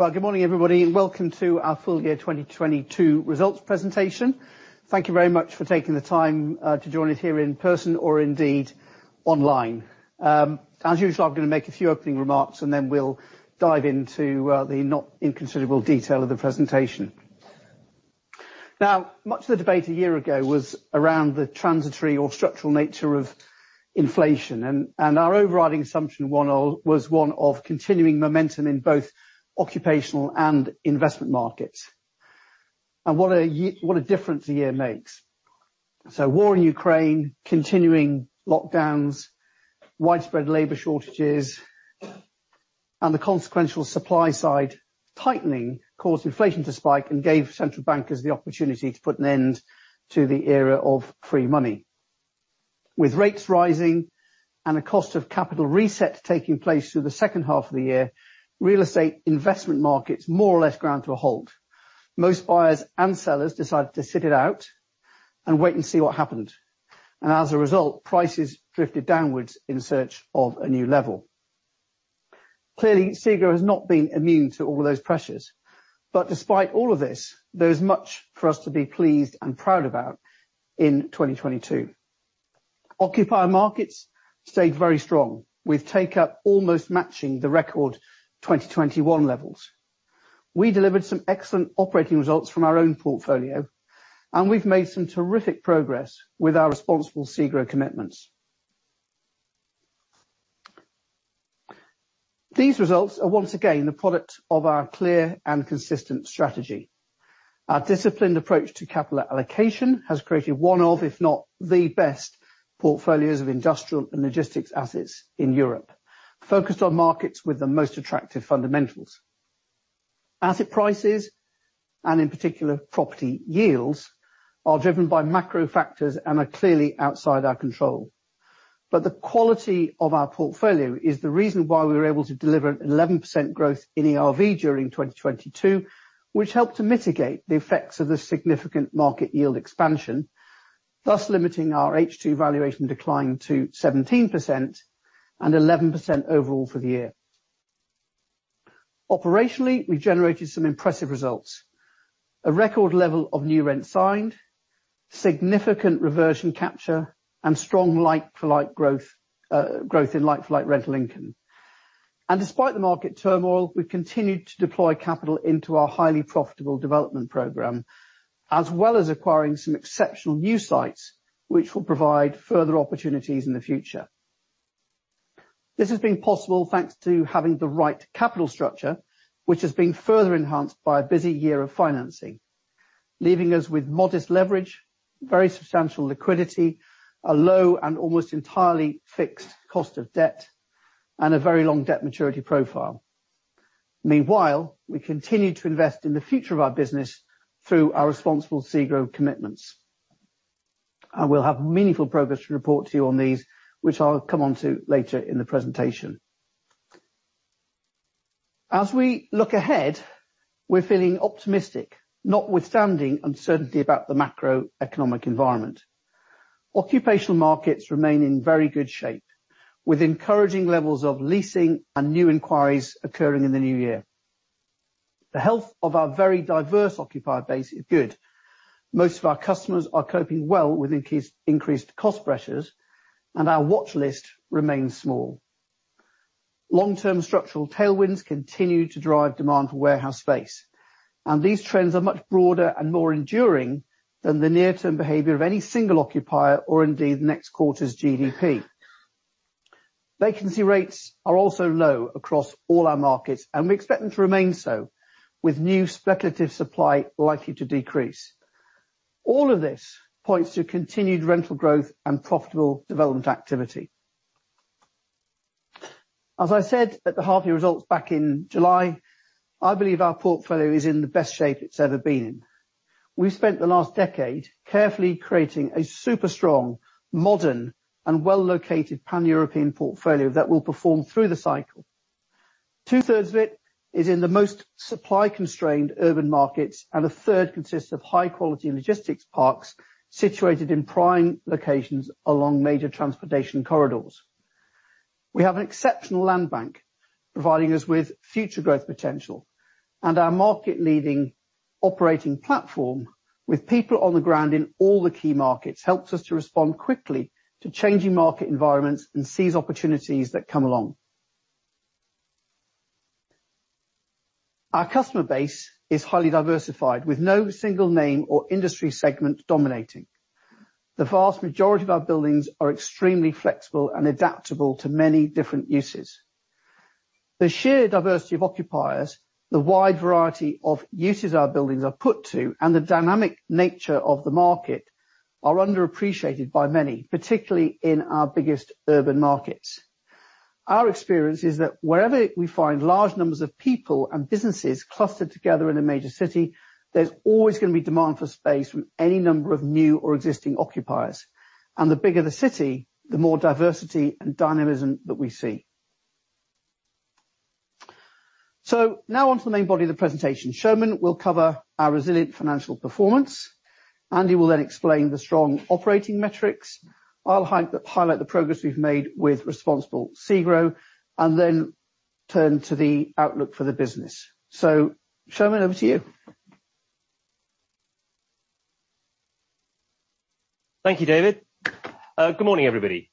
Well, good morning, everybody, welcome to our Full Year 2022 results presentation. Thank you very much for taking the time to join us here in person or indeed online. As usual, I'm gonna make a few opening remarks, and then we'll dive into the not inconsiderable detail of the presentation. Now, much of the debate a year ago was around the transitory or structural nature of inflation and our overriding assumption was one of continuing momentum in both occupational and investment markets. What a difference a year makes. War in Ukraine, continuing lockdowns, widespread labor shortages, and the consequential supply-side tightening caused inflation to spike and gave central bankers the opportunity to put an end to the era of free money. With rates rising and a cost of capital reset taking place through the second half of the year, real estate investment markets more or less ground to a halt. Most buyers and sellers decided to sit it out and wait and see what happened. As a result, prices drifted downwards in search of a new level. Clearly, SEGRO has not been immune to all those pressures. Despite all of this, there is much for us to be pleased and proud about in 2022. Occupier markets stayed very strong, with take-up almost matching the record 2021 levels. We delivered some excellent operating results from our own portfolio. We've made some terrific progress with our Responsible SEGRO commitments. These results are once again the product of our clear and consistent strategy. Our disciplined approach to capital allocation has created one of, if not the best portfolios of industrial and logistics assets in Europe, focused on markets with the most attractive fundamentals. Asset prices, in particular, property yields, are driven by macro factors and are clearly outside our control. The quality of our portfolio is the reason why we were able to deliver an 11% growth in ERV during 2022, which helped to mitigate the effects of the significant market yield expansion, thus limiting our H2 valuation decline to 17% and 11% overall for the year. Operationally, we generated some impressive results, a record level of new rent signed, significant reversion capture, and strong like-for-like growth in like-for-like rental income. Despite the market turmoil, we've continued to deploy capital into our highly profitable development program, as well as acquiring some exceptional new sites which will provide further opportunities in the future. This has been possible thanks to having the right capital structure, which has been further enhanced by a busy year of financing, leaving us with modest leverage, very substantial liquidity, a low and almost entirely fixed cost of debt, and a very long debt maturity profile. Meanwhile, we continue to invest in the future of our business through our Responsible SEGRO commitments. We'll have meaningful progress to report to you on these, which I'll come onto later in the presentation. As we look ahead, we're feeling optimistic, notwithstanding uncertainty about the macroeconomic environment. Occupational markets remain in very good shape, with encouraging levels of leasing and new inquiries occurring in the new year. The health of our very diverse occupier base is good. Most of our customers are coping well with increased cost pressures, and our watchlist remains small. Long-term structural tailwinds continue to drive demand for warehouse space, and these trends are much broader and more enduring than the near-term behavior of any single occupier or indeed next quarter's GDP. Vacancy rates are also low across all our markets, and we expect them to remain so, with new speculative supply likely to decrease. All of this points to continued rental growth and profitable development activity. As I said at the half-year results back in July, I believe our portfolio is in the best shape it's ever been in. We've spent the last decade carefully creating a super strong, modern, and well-located Pan-European portfolio that will perform through the cycle. 2/3 of it is in the most supply-constrained urban markets, and a third consists of high-quality logistics parks situated in prime locations along major transportation corridors. We have an exceptional land bank providing us with future growth potential. Our market-leading operating platform with people on the ground in all the key markets helps us to respond quickly to changing market environments and seize opportunities that come along. Our customer base is highly diversified, with no single name or industry segment dominating. The vast majority of our buildings are extremely flexible and adaptable to many different uses. The sheer diversity of occupiers, the wide variety of uses our buildings are put to, and the dynamic nature of the market are underappreciated by many, particularly in our biggest urban markets. Our experience is that wherever we find large numbers of people and businesses clustered together in a major city, there's always gonna be demand for space from any number of new or existing occupiers. The bigger the city, the more diversity and dynamism that we see. Now on to the main body of the presentation. Soumen will cover our resilient financial performance. Andy will then explain the strong operating metrics. I'll highlight the progress we've made with Responsible SEGRO, and then turn to the outlook for the business. Soumen, over to you. Thank you, David. Good morning, everybody.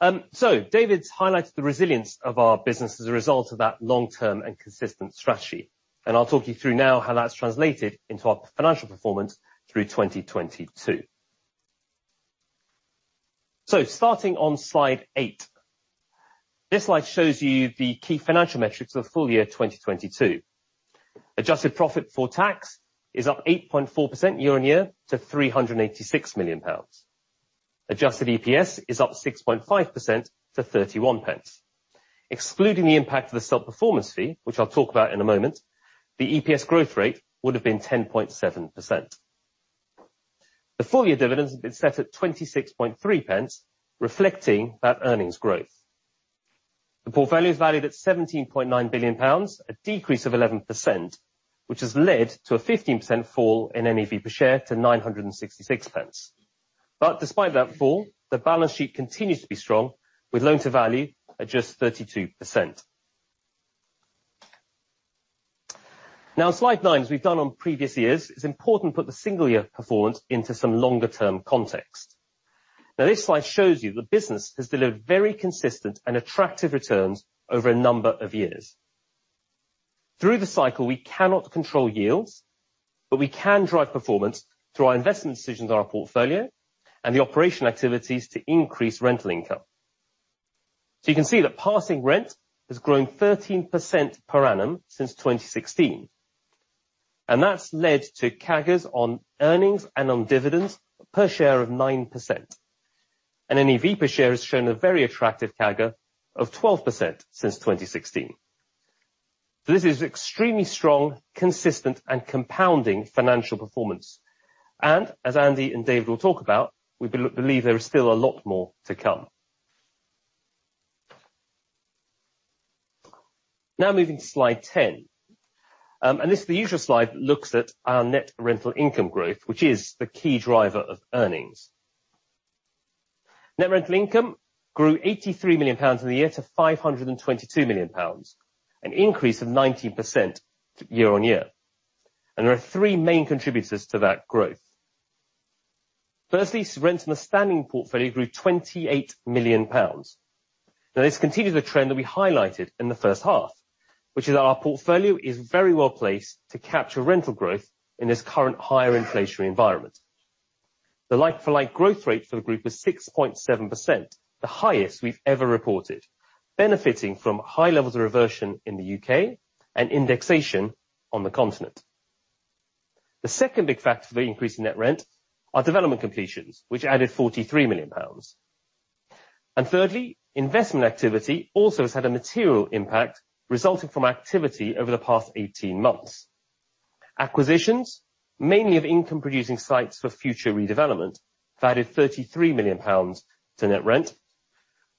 David's highlighted the resilience of our business as a result of that long-term and consistent strategy, and I'll talk you through now how that's translated into our financial performance through 2022. Starting on slide eight. This slide shows you the key financial metrics of full year 2022. Adjusted profit for tax is up 8.4% year-on-year to 386 million pounds. Adjusted EPS is up 6.5% to 0.31. Excluding the impact of the SELP performance fee, which I'll talk about in a moment, the EPS growth rate would have been 10.7%. The full year dividends have been set at 0.263, reflecting that earnings growth. The portfolio is valued at 17.9 billion pounds, a decrease of 11%, which has led to a 15% fall in NAV per share to 966 pence. Despite that fall, the balance sheet continues to be strong, with loan to value at just 32%. Slide nine, as we've done on previous years, it's important to put the single year performance into some longer-term context. This slide shows you the business has delivered very consistent and attractive returns over a number of years. Through the cycle, we cannot control yields, but we can drive performance through our investment decisions on our portfolio and the operational activities to increase rental income. You can see that passing rent has grown 13% per annum since 2016. That's led to CAGRs on earnings and on dividends per share of 9%. NAV per share has shown a very attractive CAGR of 12% since 2016. This is extremely strong, consistent and compounding financial performance. As Andy and David will talk about, we believe there is still a lot more to come. Now moving to slide 10. This is the usual slide that looks at our net rental income growth, which is the key driver of earnings. Net rental income grew GBP 83 million in the year to GBP 522 million, an increase of 19% year-on-year. There are three main contributors to that growth. Firstly, rents in the standing portfolio grew 28 million pounds. Now, this continues a trend that we highlighted in the first half, which is that our portfolio is very well placed to capture rental growth in this current higher inflationary environment. The like for like growth rate for the group was 6.7%, the highest we've ever reported, benefiting from high levels of reversion in the U.K. and indexation on the continent. The second big factor for the increase in net rent are development completions, which added 43 million pounds. Thirdly, investment activity also has had a material impact resulting from activity over the past 18 months. Acquisitions, mainly of income-producing sites for future redevelopment, have added 33 million pounds to net rent,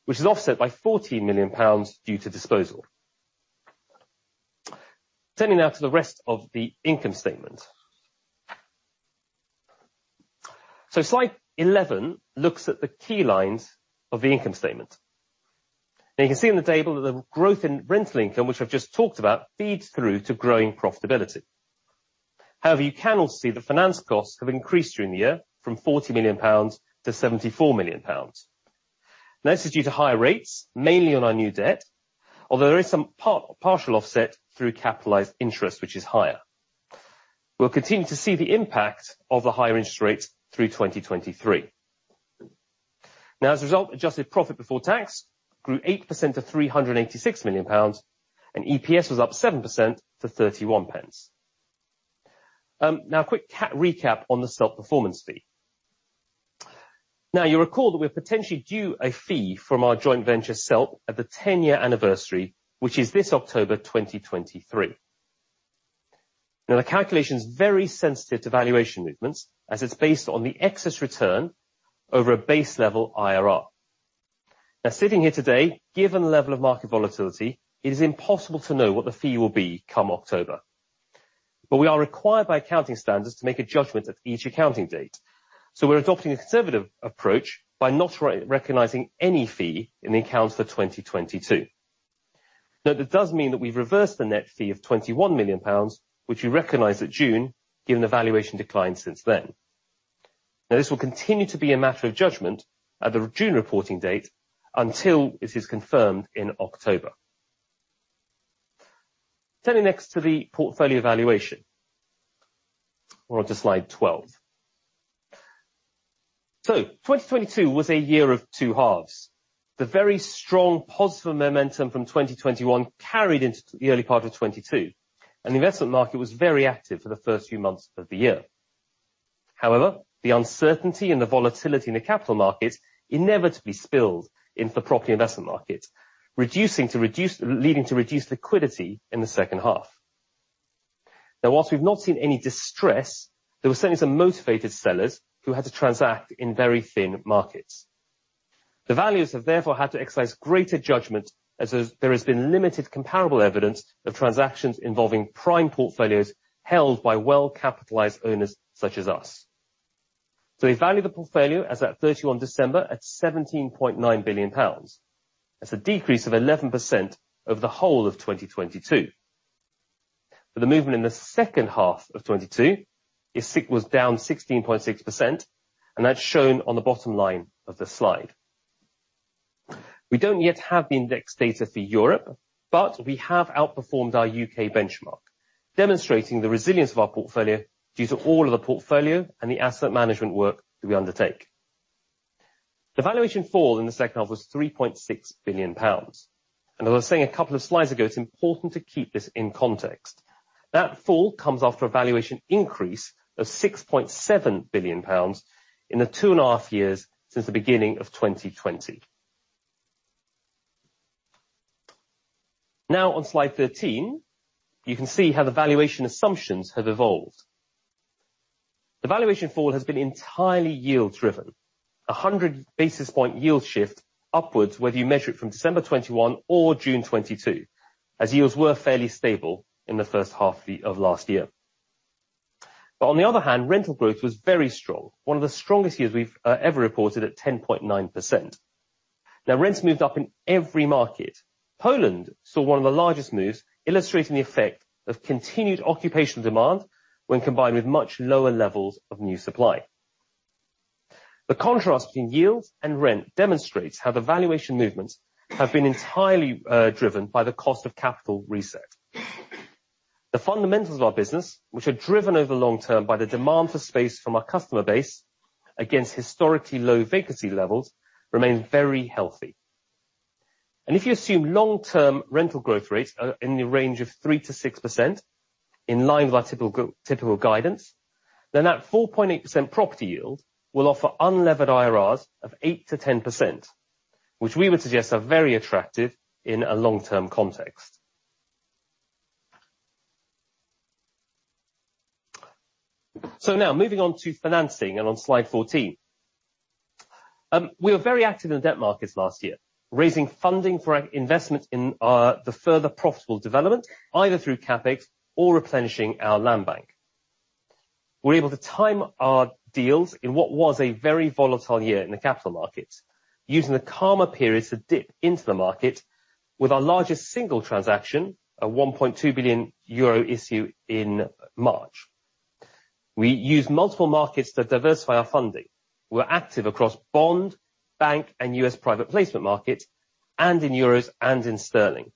which is offset by 14 million pounds due to disposal. Turning now to the rest of the income statement. Slide 11 looks at the key lines of the income statement. You can see on the table that the growth in rental income, which I've just talked about, feeds through to growing profitability. You can also see the finance costs have increased during the year from 40 million-74 million pounds. This is due to higher rates, mainly on our new debt, although there is some part-partial offset through capitalized interest, which is higher. We'll continue to see the impact of the higher interest rates through 2023. As a result, adjusted profit before tax grew 8% to 386 million pounds, and EPS was up 7% to 31 pence. A quick recap on the SELP performance fee. You'll recall that we're potentially due a fee from our joint venture, SELP, at the 10-year anniversary, which is this October 2023. The calculation is very sensitive to valuation movements as it's based on the excess return over a base level IRR. Now, sitting here today, given the level of market volatility, it is impossible to know what the fee will be come October. We are required by accounting standards to make a judgment at each accounting date. We're adopting a conservative approach by not re-recognizing any fee in the accounts for 2022. That does mean that we've reversed the net fee of 21 million pounds, which we recognized at June, given the valuation decline since then. This will continue to be a matter of judgment at the June reporting date until it is confirmed in October. Turning next to the portfolio valuation. To slide 12. 2022 was a year of two halves. The very strong positive momentum from 2021 carried into the early part of 2022, and the investment market was very active for the first few months of the year. The uncertainty and the volatility in the capital markets inevitably spilled into the property investment market, leading to reduced liquidity in the second half. While we've not seen any distress, there were certainly some motivated sellers who had to transact in very thin markets. The valuers have therefore had to exercise greater judgment as there has been limited comparable evidence of transactions involving prime portfolios held by well-capitalized owners such as us. We value the portfolio as at December 31 at 17.9 billion pounds. That's a decrease of 11% over the whole of 2022. For the movement in the second half of 2022, SEGRO was down 16.6%, and that's shown on the bottom line of the slide. We don't yet have the index data for Europe, but we have outperformed our U.K. benchmark, demonstrating the resilience of our portfolio due to all of the portfolio and the asset management work that we undertake. The valuation fall in the second half was 3.6 billion pounds. As I was saying a couple of slides ago, it's important to keep this in context. That fall comes after a valuation increase of 6.7 billion pounds in the 2.5 years since the beginning of 2020. On slide 13, you can see how the valuation assumptions have evolved. The valuation fall has been entirely yield driven. 100 basis point yield shift upwards, whether you measure it from December 2021 or June 2022, as yields were fairly stable in the first half of last year. On the other hand, rental growth was very strong, one of the strongest years we've ever reported at 10.9%. Rents moved up in every market. Poland saw one of the largest moves, illustrating the effect of continued occupational demand when combined with much lower levels of new supply. The contrast in yields and rent demonstrates how the valuation movements have been entirely driven by the cost of capital reset. The fundamentals of our business, which are driven over long term by the demand for space from our customer base against historically low vacancy levels, remain very healthy. If you assume long-term rental growth rates are in the range of 3%-6%, in line with our typical guidance, then that 4.8% property yield will offer unlevered IRRs of 8%-10%, which we would suggest are very attractive in a long-term context. Now moving on to financing and on slide 14. We were very active in the debt markets last year, raising funding for our investment in the further profitable development, either through CAPEX or replenishing our land bank. We were able to time our deals in what was a very volatile year in the capital markets, using the calmer periods to dip into the market with our largest single transaction, a 1.2 billion euro issue in March. We used multiple markets to diversify our funding. We were active across bond, bank, and US Private Placement markets and in EUR and in GBP.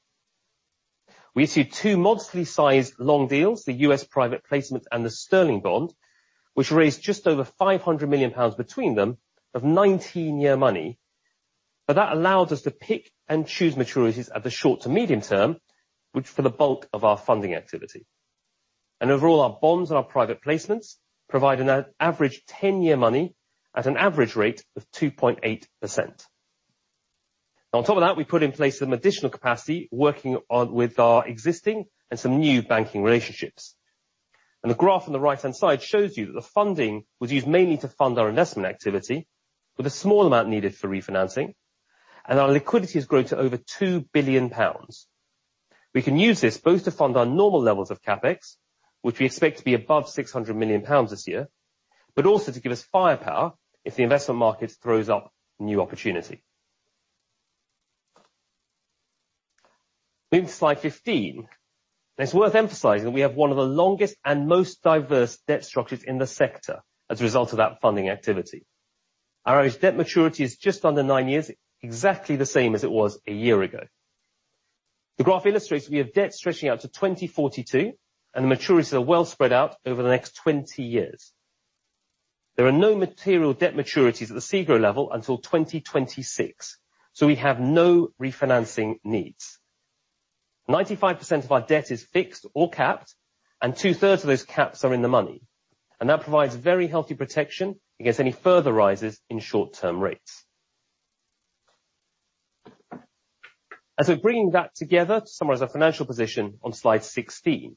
We issued two moderately sized long deals, the US Private Placement and the sterling bond, which raised just over 500 million pounds between them of 19-year money. That allowed us to pick and choose maturities at the short to medium term, which for the bulk of our funding activity. Overall, our bonds and our private placements provide an average 10-year money at an average rate of 2.8%. Now on top of that, we put in place some additional capacity working on with our existing and some new banking relationships. The graph on the right-hand side shows you that the funding was used mainly to fund our investment activity with a small amount needed for refinancing, and our liquidity has grown to over 2 billion pounds. We can use this both to fund our normal levels of CAPEX, which we expect to be above 600 million pounds this year, but also to give us firepower if the investment market throws up new opportunity. Moving to slide 15. It's worth emphasizing that we have one of the longest and most diverse debt structures in the sector as a result of that funding activity. Our average debt maturity is just under nine years, exactly the same as it was a year ago. The graph illustrates we have debt stretching out to 2042, and the maturities are well spread out over the next 20 years. There are no material debt maturities at the SEGRO level until 2026, so we have no refinancing needs. 95% of our debt is fixed or capped, and two-thirds of those caps are in the money. That provides very healthy protection against any further rises in short-term rates. As we're bringing that together, to summarize our financial position on slide 16.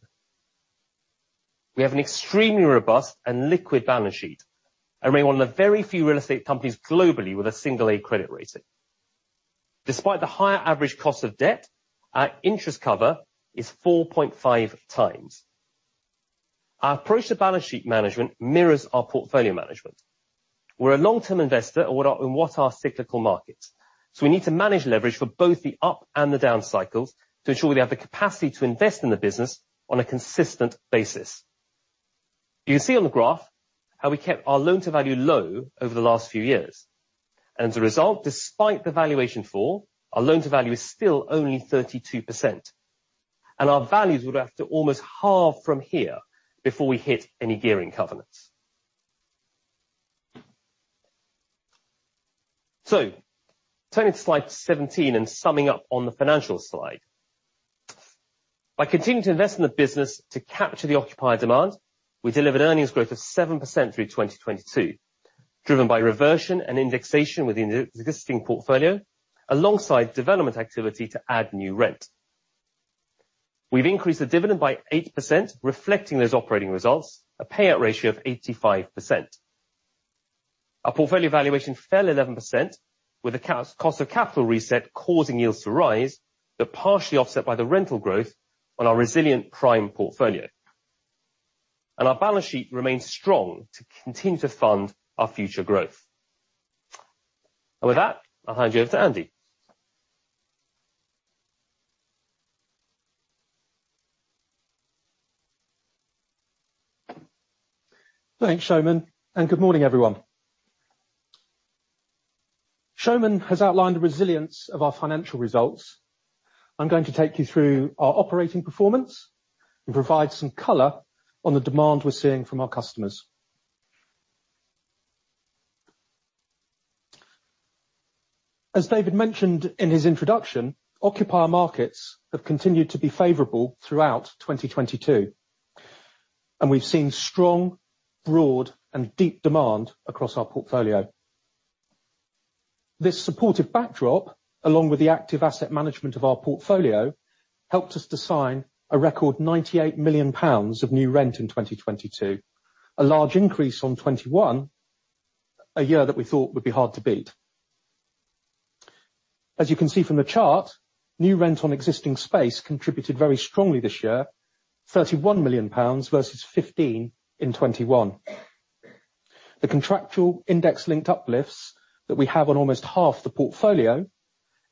We have an extremely robust and liquid balance sheet and remain one of the very few real estate companies globally with a single A credit rating. Despite the higher average cost of debt, our interest cover is 4.5x. Our approach to balance sheet management mirrors our portfolio management. We're a long-term investor in what are cyclical markets, so we need to manage leverage for both the up and the down cycles to ensure we have the capacity to invest in the business on a consistent basis. You can see on the graph how we kept our LTV low over the last few years. As a result, despite the valuation fall, our loan to value is still only 32%. Our values would have to almost halve from here before we hit any gearing covenants. Turning to slide 17 and summing up on the financial slide. By continuing to invest in the business to capture the occupied demand, we delivered earnings growth of 7% through 2022. Driven by reversion and indexation within the existing portfolio, alongside development activity to add new rent. We've increased the dividend by 8%, reflecting those operating results, a payout ratio of 85%. Our portfolio valuation fell 11% with the cost of capital reset causing yields to rise, but partially offset by the rental growth on our resilient prime portfolio. Our balance sheet remains strong to continue to fund our future growth. With that, I'll hand you over to Andy. Thanks, Soumen. Good morning, everyone. Soumen has outlined the resilience of our financial results. I'm going to take you through our operating performance and provide some color on the demand we're seeing from our customers. As David mentioned in his introduction, occupier markets have continued to be favorable throughout 2022. We've seen strong, broad, and deep demand across our portfolio. This supportive backdrop, along with the active asset management of our portfolio, helped us to sign a record 98 million pounds of new rent in 2022, a large increase on 2021, a year that we thought would be hard to beat. As you can see from the chart, new rent on existing space contributed very strongly this year, 31 million pounds versus 15 million in 2021. The contractual index-linked uplifts that we have on almost half the portfolio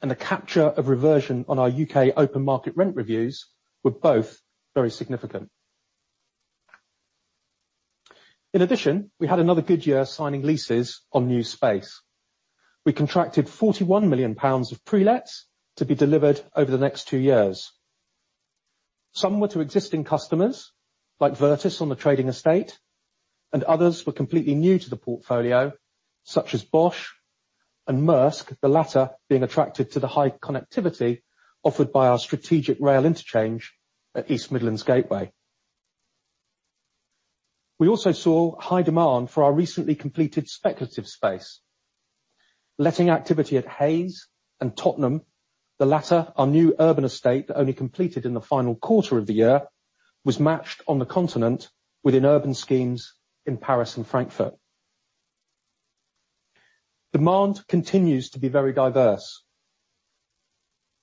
and the capture of reversion on our U.K. open market rent reviews were both very significant. In addition, we had another good year signing leases on new space. We contracted 41 million pounds of pre-lets to be delivered over the next two years. Some were to existing customers, like VIRTUS on the trading estate, and others were completely new to the portfolio, such as Bosch and Maersk, the latter being attracted to the high connectivity offered by our strategic rail interchange at East Midlands Gateway. We also saw high demand for our recently completed speculative space. Letting activity at Hayes and Tottenham, the latter our new urban estate that only completed in the final quarter of the year, was matched on the continent within urban schemes in Paris and Frankfurt. Demand continues to be very diverse.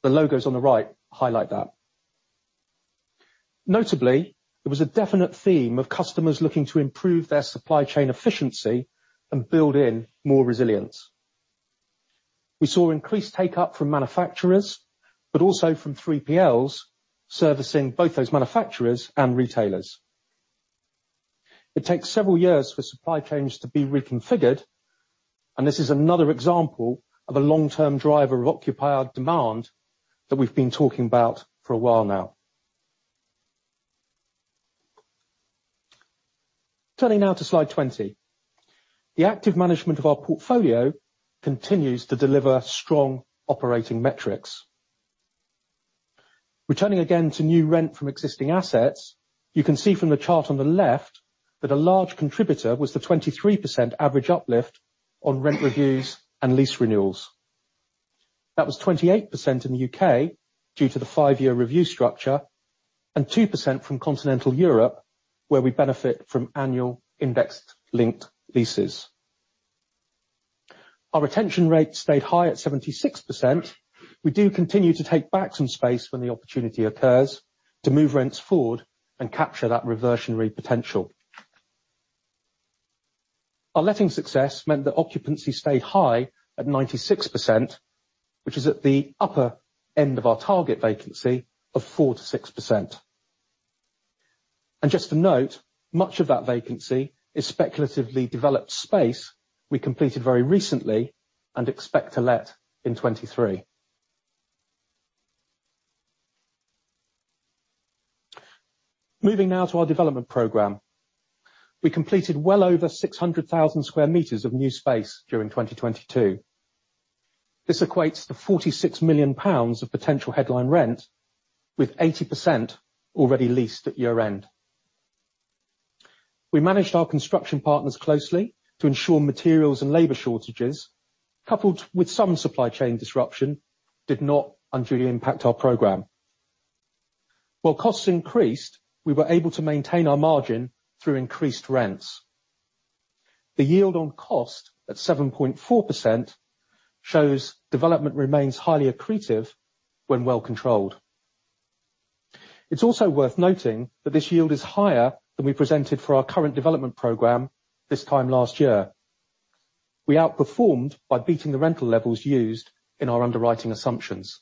The logos on the right highlight that. Notably, it was a definite theme of customers looking to improve their supply chain efficiency and build in more resilience. We saw increased take-up from manufacturers, but also from 3PLs, servicing both those manufacturers and retailers. It takes several years for supply chains to be reconfigured, this is another example of a long-term driver of occupier demand that we've been talking about for a while now. Turning now to slide 20. The active management of our portfolio continues to deliver strong operating metrics. Returning again to new rent from existing assets, you can see from the chart on the left that a large contributor was the 23% average uplift on rent reviews and lease renewals. That was 28% in the U.K. due to the five-year review structure and 2% from continental Europe, where we benefit from annual indexed linked leases. Our retention rate stayed high at 76%. We do continue to take back some space when the opportunity occurs to move rents forward and capture that reversionary potential. Our letting success meant that occupancy stayed high at 96%, which is at the upper end of our target vacancy of 4%-6%. Just to note, much of that vacancy is speculatively developed space we completed very recently and expect to let in 2023. Moving now to our development program. We completed well over 600,000 square meters of new space during 2022. This equates to 46 million pounds of potential headline rent, with 80% already leased at year-end. We managed our construction partners closely to ensure materials and labor shortages, coupled with some supply chain disruption, did not unduly impact our program. While costs increased, we were able to maintain our margin through increased rents. The yield on cost at 7.4% shows development remains highly accretive when well controlled. It's also worth noting that this yield is higher than we presented for our current development program this time last year. We outperformed by beating the rental levels used in our underwriting assumptions.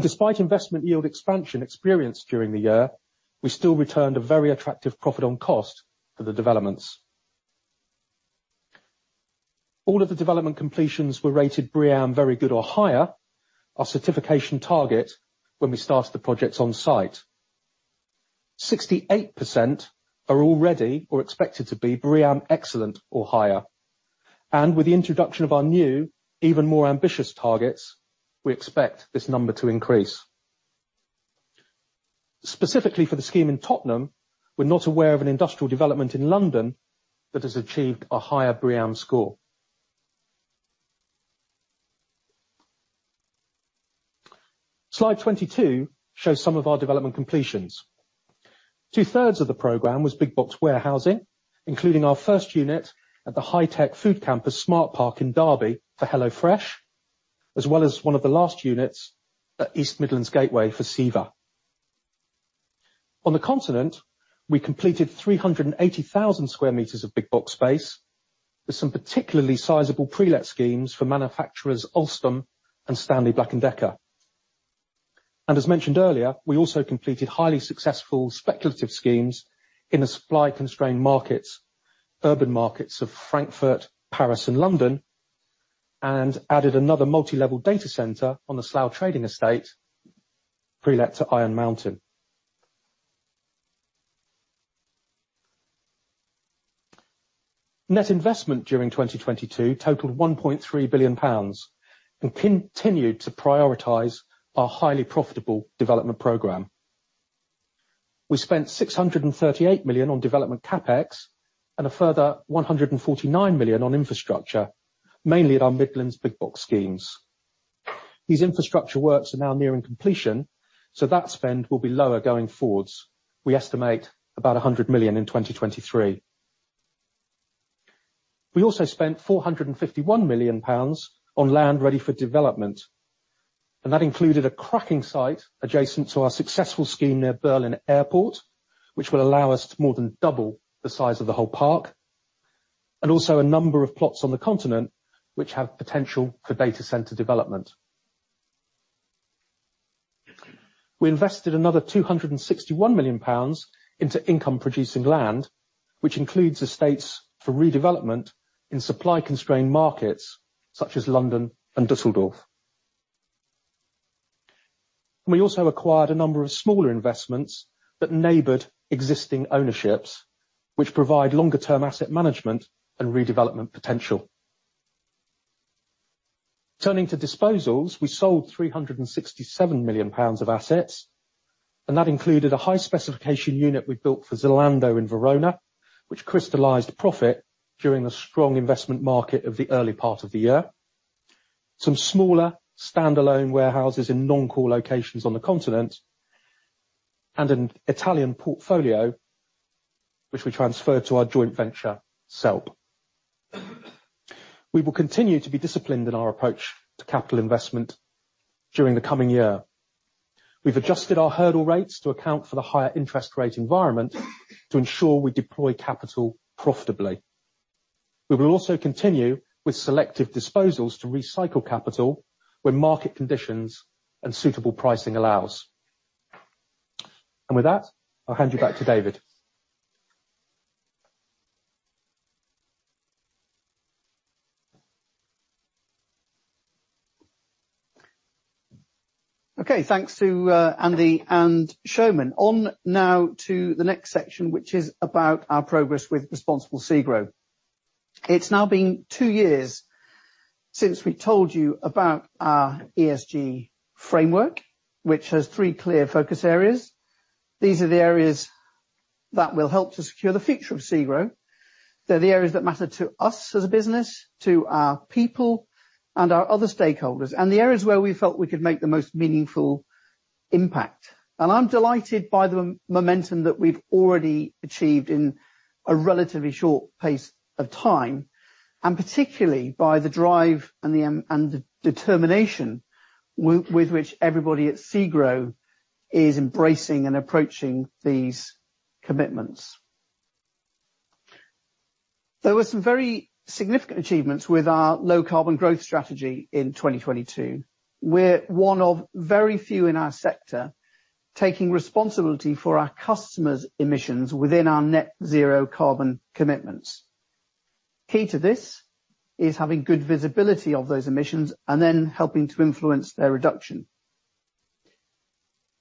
Despite investment yield expansion experienced during the year, we still returned a very attractive profit on cost for the developments. All of the development completions were rated BREEAM very good or higher, our certification target when we start the projects on site. 68% are already or expected to be BREEAM excellent or higher. With the introduction of our new, even more ambitious targets, we expect this number to increase. Specifically for the scheme in Tottenham, we're not aware of an industrial development in London that has achieved a higher BREEAM score. Slide 22 shows some of our development completions. Two-thirds of the program was big box warehousing, including our first unit at the high-tech food campus SmartParc in Derby for HelloFresh, as well as one of the last units at East Midlands Gateway for CEVA. On the continent, we completed 380,000 square meters of big box space, with some particularly sizable pre-let schemes for manufacturers Alstom and Stanley Black & Decker. As mentioned earlier, we also completed highly successful speculative schemes in the supply-constrained markets, urban markets of Frankfurt, Paris and London, and added another multi-level data center on the Slough trading estate pre-let to Iron Mountain. Net investment during 2022 totaled 1.3 billion pounds, and continued to prioritize our highly profitable development program. We spent 638 million on development CAPEX, and a further 149 million on infrastructure, mainly at our Midlands big box schemes. These infrastructure works are now nearing completion, so that spend will be lower going forwards. We estimate about 100 million in 2023. We also spent 451 million pounds on land ready for development, and that included a cracking site adjacent to our successful scheme near Berlin Airport, which will allow us to more than double the size of the whole park, and also a number of plots on the continent which have potential for data center development. We invested another 261 million pounds into income-producing land, which includes estates for redevelopment in supply-constrained markets such as London and Düsseldorf. We also acquired a number of smaller investments that neighbored existing ownerships, which provide longer term asset management and redevelopment potential. Turning to disposals, we sold 367 million pounds of assets, and that included a high specification unit we built for in Verona, which crystallized profit during the strong investment market of the early part of the year. Some smaller standalone warehouses in non-core locations on the continent, and an Italian portfolio which we transferred to our joint venture, SELP. We will continue to be disciplined in our approach to capital investment during the coming year. We've adjusted our hurdle rates to account for the higher interest rate environment to ensure we deploy capital profitably. We will also continue with selective disposals to recycle capital where market conditions and suitable pricing allows. With that, I'll hand you back to David. Okay. Thanks to, Andy and Soumen. On now to the next section, which is about our progress with Responsible SEGRO. It's now been two years since we told you about our ESG framework, which has three clear focus areas. These are the areas that will help to secure the future of SEGRO. They're the areas that matter to us as a business, to our people, and our other stakeholders, and the areas where we felt we could make the most meaningful impact. I'm delighted by the momentum that we've already achieved in a relatively short pace of time, and particularly by the drive and the determination with which everybody at SEGRO is embracing and approaching these commitments. There were some very significant achievements with our low carbon growth strategy in 2022. We're one of very few in our sector taking responsibility for our customers' emissions within our net zero carbon commitments. Key to this is having good visibility of those emissions, and then helping to influence their reduction.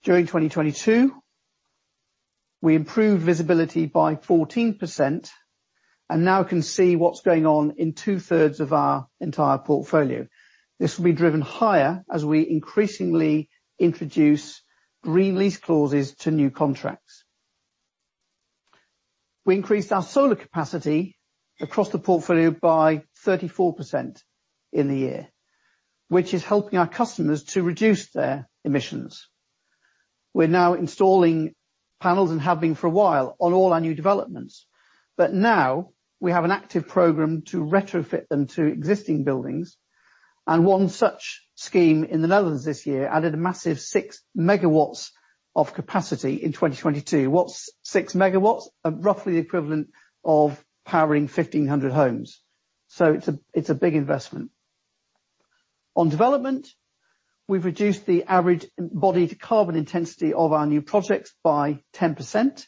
During 2022, we improved visibility by 14% and now can see what's going on in two-thirds of our entire portfolio. This will be driven higher as we increasingly introduce green lease clauses to new contracts. We increased our solar capacity across the portfolio by 34% in the year, which is helping our customers to reduce their emissions. We're now installing panels, and have been for a while, on all our new developments. Now we have an active program to retrofit them to existing buildings. One such scheme in the Netherlands this year added a massive 6 MW of capacity in 2022. What's 6 MW? Roughly the equivalent of powering 1,500 homes, it's a big investment. On development, we've reduced the average embodied carbon intensity of our new projects by 10%.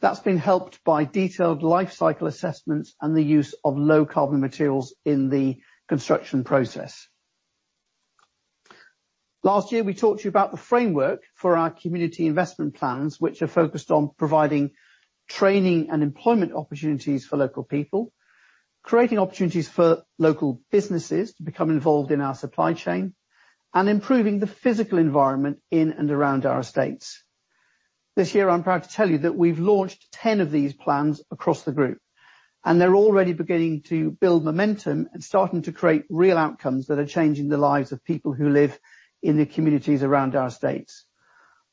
That's been helped by detailed life cycle assessments and the use of low carbon materials in the construction process. Last year, we talked to you about the framework for our community investment plans, which are focused on providing training and employment opportunities for local people. Creating opportunities for local businesses to become involved in our supply chain, improving the physical environment in and around our estates. This year, I'm proud to tell you that we've launched 10 of these plans across the group, they're already beginning to build momentum and starting to create real outcomes that are changing the lives of people who live in the communities around our estates.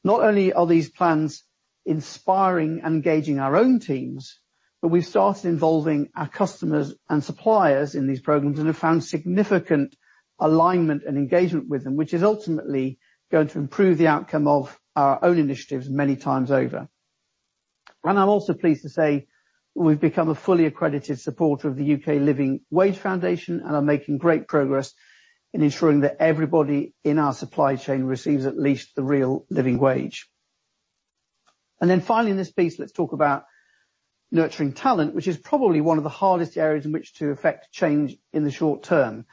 Not only are these plans inspiring and engaging our own teams, but we started involving our customers and suppliers in these programs and have found significant alignment and engagement with them, which is ultimately going to improve the outcome of our own initiatives many times over. I'm also pleased to say we've become a fully accredited supporter of the UK Living Wage Foundation and are making great progress in ensuring that everybody in our supply chain receives at least the real living wage. Finally, in this piece, let's talk about nurturing talent, which is probably one of the hardest areas in which to effect change in the short term,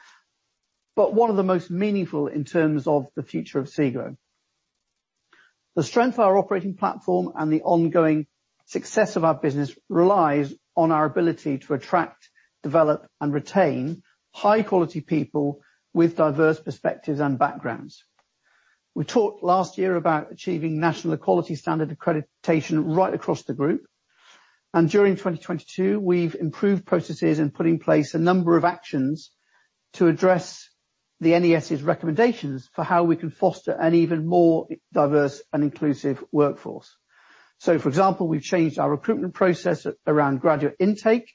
but one of the most meaningful in terms of the future of SEGRO. The strength of our operating platform and the ongoing success of our business relies on our ability to attract, develop, and retain high-quality people with diverse perspectives and backgrounds. We talked last year about achieving National Equality Standard accreditation right across the group, and during 2022, we've improved processes and put in place a number of actions to address the NES's recommendations for how we can foster an even more diverse and inclusive workforce. For example, we've changed our recruitment process around graduate intake.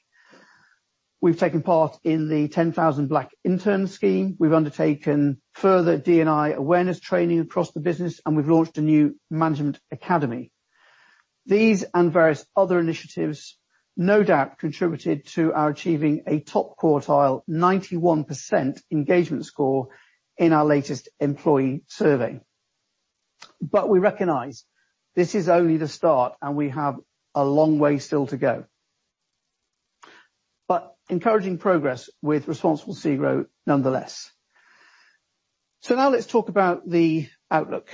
We've taken part in the 10,000 Black Interns scheme. We've undertaken further D&I awareness training across the business, and we've launched a new management academy. These and various other initiatives no doubt contributed to our achieving a top-quartile 91% engagement score in our latest employee survey. We recognize this is only the start, and we have a long way still to go. Encouraging progress with Responsible SEGRO nonetheless. Now let's talk about the outlook.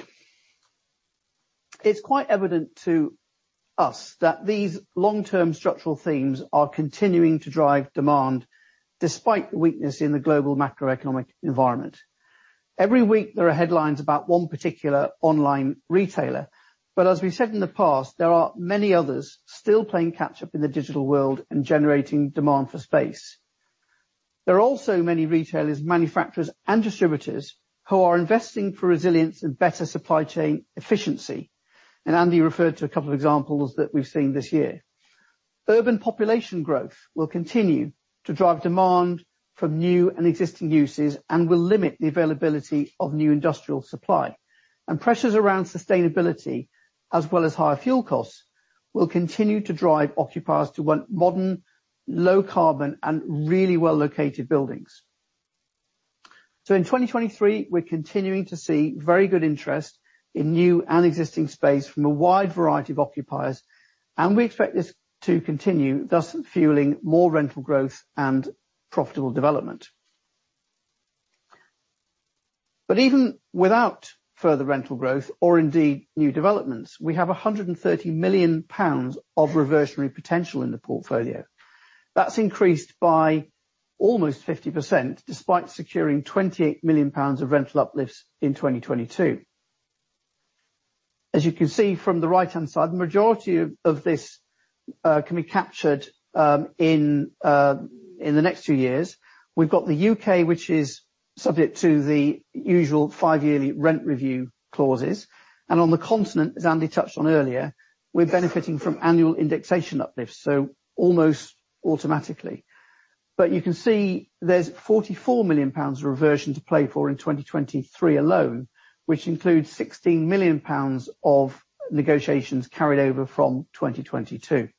It's quite evident to us that these long-term structural themes are continuing to drive demand despite weakness in the global macroeconomic environment. Every week, there are headlines about one particular online retailer, but as we said in the past, there are many others still playing catch up in the digital world and generating demand for space. There are also many retailers, manufacturers, and distributors who are investing for resilience and better supply chain efficiency, and Andy referred to a couple of examples that we've seen this year. Urban population growth will continue to drive demand from new and existing uses and will limit the availability of new industrial supply. Pressures around sustainability, as well as higher fuel costs, will continue to drive occupiers to want modern, low carbon, and really well-located buildings. In 2023, we're continuing to see very good interest in new and existing space from a wide variety of occupiers, and we expect this to continue, thus fueling more rental growth and profitable development. Even without further rental growth or indeed new developments, we have 130 million pounds of reversionary potential in the portfolio. That's increased by almost 50% despite securing 28 million pounds of rental uplifts in 2022. As you can see from the right-hand side, the majority of this can be captured in the next few years. We've got the U.K., which is subject to the usual five-yearly rent review clauses. On the continent, as Andy touched on earlier, we're benefiting from annual indexation uplifts, so almost automatically. You can see there's 44 million pounds of reversion to play for in 2023 alone, which includes 16 million pounds of negotiations carried over from 2022.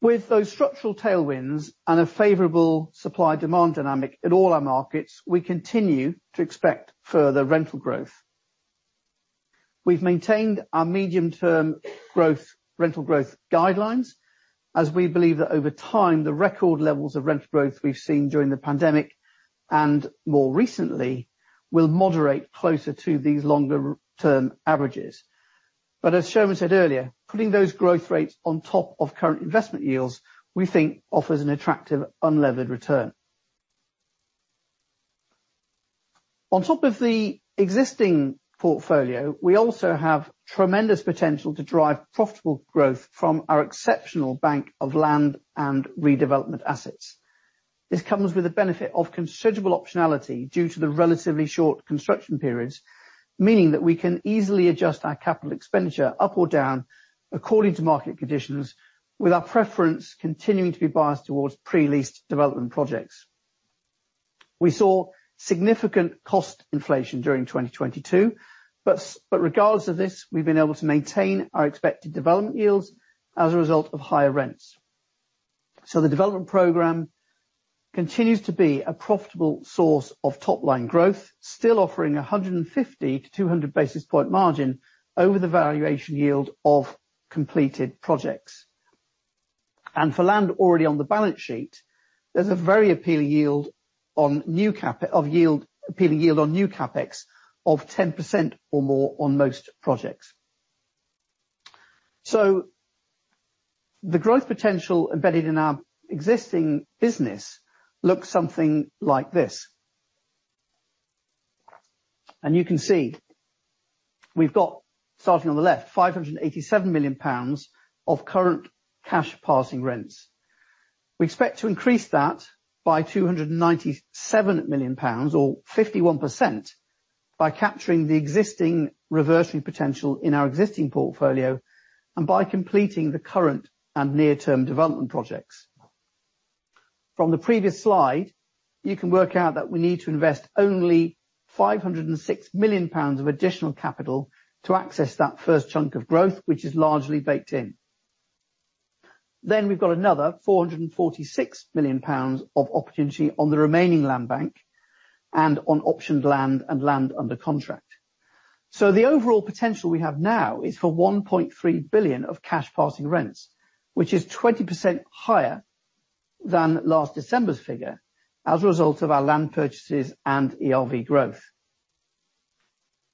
With those structural tailwinds and a favorable supply-demand dynamic in all our markets, we continue to expect further rental growth. We've maintained our medium-term growth, rental growth guidelines, as we believe that over time, the record levels of rental growth we've seen during the pandemic, and more recently, will moderate closer to these longer-term averages. As Soumen said earlier, putting those growth rates on top of current investment yields, we think offers an attractive unlevered return. On top of the existing portfolio, we also have tremendous potential to drive profitable growth from our exceptional bank of land and redevelopment assets. This comes with the benefit of considerable optionality due to the relatively short construction periods, meaning that we can easily adjust our capital expenditure up or down according to market conditions, with our preference continuing to be biased towards pre-leased development projects. We saw significant cost inflation during 2022, but regardless of this, we've been able to maintain our expected development yields as a result of higher rents. The development program continues to be a profitable source of top-line growth, still offering a 150 basis point- 200 basis point margin over the valuation yield of completed projects. For land already on the balance sheet. There's a very appealing yield on new CAPEX of 10% or more on most projects. The growth potential embedded in our existing business looks something like this. You can see we've got, starting on the left, 587 million pounds of current cash passing rents. We expect to increase that by 297 million pounds or 51% by capturing the existing reversing potential in our existing portfolio and by completing the current and near-term development projects. From the previous slide, you can work out that we need to invest only 506 million pounds of additional capital to access that first chunk of growth, which is largely baked in. We've got another 446 million pounds of opportunity on the remaining land bank and on optioned land and land under contract. The overall potential we have now is for 1.3 billion of cash passing rents, which is 20% higher than last December's figure as a result of our land purchases and ERV growth.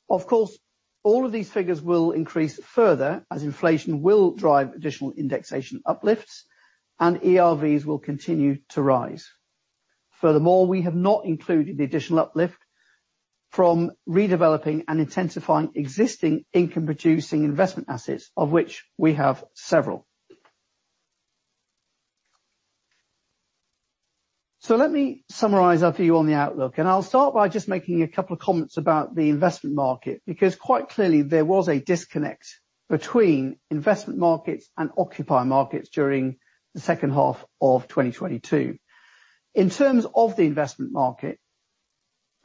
Of course, all of these figures will increase further as inflation will drive additional indexation uplifts and ERVs will continue to rise. Furthermore, we have not included the additional uplift from redeveloping and intensifying existing income producing investment assets, of which we have several. Let me summarize our view on the outlook, and I'll start by just making a couple of comments about the investment market, because quite clearly there was a disconnect between investment markets and occupier markets during the second half of 2022. In terms of the investment market,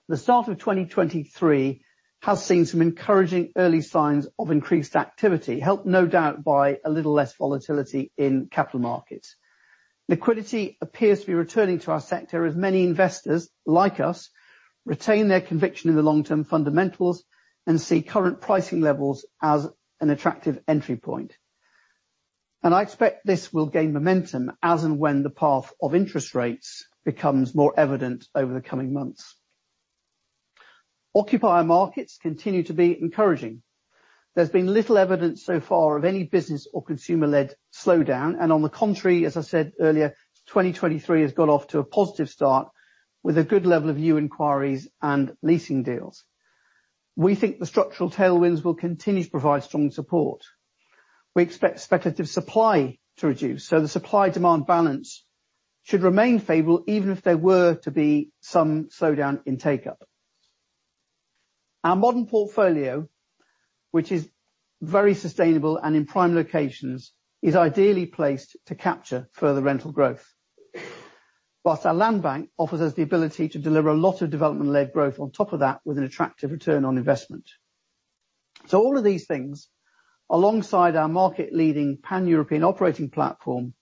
the start of 2023 has seen some encouraging early signs of increased activity, helped no doubt by a little less volatility in capital markets. Liquidity appears to be returning to our sector as many investors, like us, retain their conviction in the long-term fundamentals and see current pricing levels as an attractive entry point. I expect this will gain momentum as and when the path of interest rates becomes more evident over the coming months. Occupier markets continue to be encouraging. There's been little evidence so far of any business or consumer-led slowdown, and on the contrary, as I said earlier, 2023 has got off to a positive start with a good level of new inquiries and leasing deals. We think the structural tailwinds will continue to provide strong support. We expect speculative supply to reduce, so the supply-demand balance should remain favorable even if there were to be some slowdown in take-up. Our modern portfolio, which is very sustainable and in prime locations, is ideally placed to capture further rental growth. Whilst our land bank offers us the ability to deliver a lot of development-led growth on top of that with an attractive return on investment. All of these things, alongside our market-leading Pan-European operating platform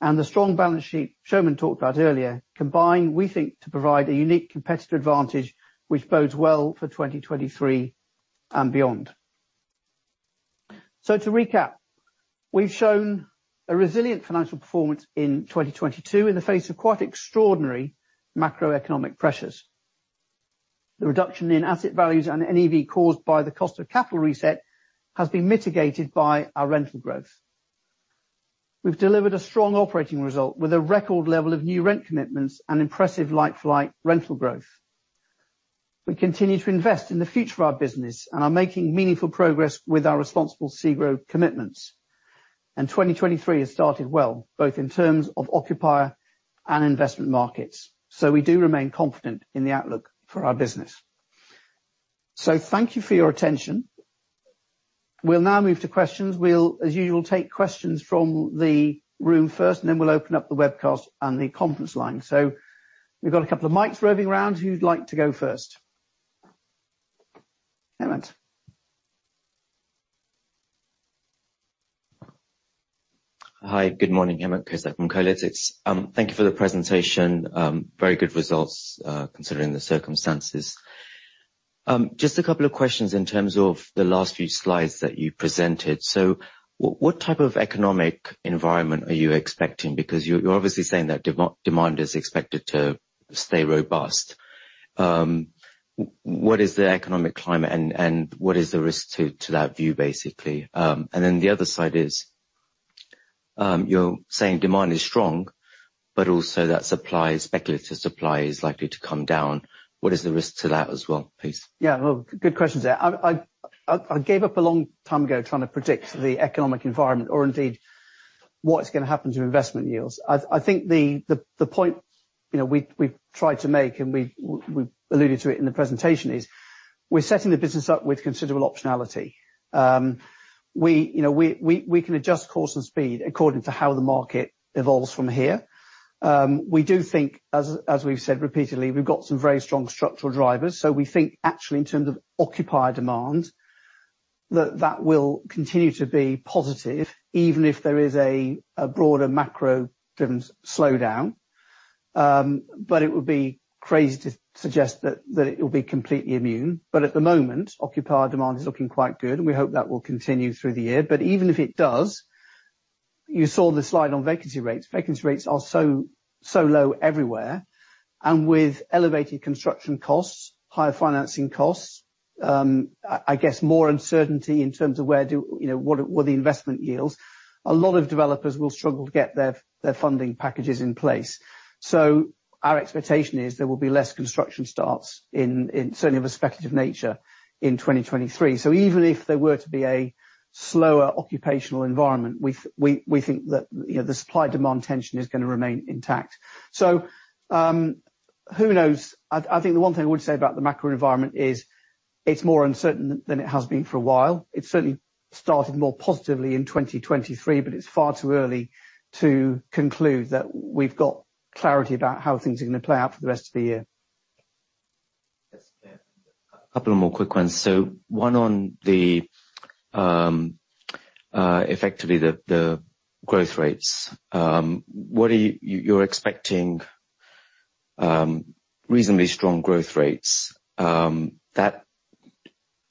and the strong balance sheet Soumen talked about earlier, combine, we think, to provide a unique competitive advantage which bodes well for 2023 and beyond. To recap, we've shown a resilient financial performance in 2022 in the face of quite extraordinary macroeconomic pressures. The reduction in asset values and NAV caused by the cost of capital reset has been mitigated by our rental growth. We've delivered a strong operating result with a record level of new rent commitments and impressive like for like rental growth. We continue to invest in the future of our business and are making meaningful progress with our Responsible SEGRO commitments. 2023 has started well, both in terms of occupier and investment markets. We do remain confident in the outlook for our business. Thank you for your attention. We'll now move to questions. We'll as usual take questions from the room first, and then we'll open up the webcast and the conference line. We've got a couple of mics roving around. Who'd like to go first? Hemant. Hi, good morning. Hemant Kotak from Kolytics. Thank you for the presentation. Very good results, considering the circumstances. Just a couple of questions in terms of the last few slides that you presented. What type of economic environment are you expecting? Because you're obviously saying that demand is expected to stay robust. What is the economic climate and what is the risk to that view, basically? The other side is, you're saying demand is strong, but also that supply, speculative supply is likely to come down. What is the risk to that as well, please? Yeah. Well, good question, sir. I gave up a long time ago trying to predict the economic environment or indeed what is gonna happen to investment yields. I think the point, you know, we've tried to make and we alluded to it in the presentation is we're setting the business up with considerable optionality. We, you know, we can adjust course and speed according to how the market evolves from here. We do think as we've said repeatedly, we've got some very strong structural drivers. We think actually in terms of occupier demand, that will continue to be positive even if there is a broader macro driven slowdown. It would be crazy to suggest that it will be completely immune. At the moment, occupier demand is looking quite good, and we hope that will continue through the year. Even if it does, you saw the slide on vacancy rates. Vacancy rates are so low everywhere. With elevated construction costs, higher financing costs, I guess more uncertainty in terms of where You know, what are the investment yields. A lot of developers will struggle to get their funding packages in place. Our expectation is there will be less construction starts in certainly of a speculative nature in 2023. Even if there were to be a slower occupational environment, we think that, you know, the supply demand tension is gonna remain intact. Who knows? I think the one thing I would say about the macro environment is it's more uncertain than it has been for a while. It certainly started more positively in 2023, it's far too early to conclude that we've got clarity about how things are gonna play out for the rest of the year. Yes, yeah. A couple of more quick ones. One on the effectively the growth rates. What are you're expecting reasonably strong growth rates that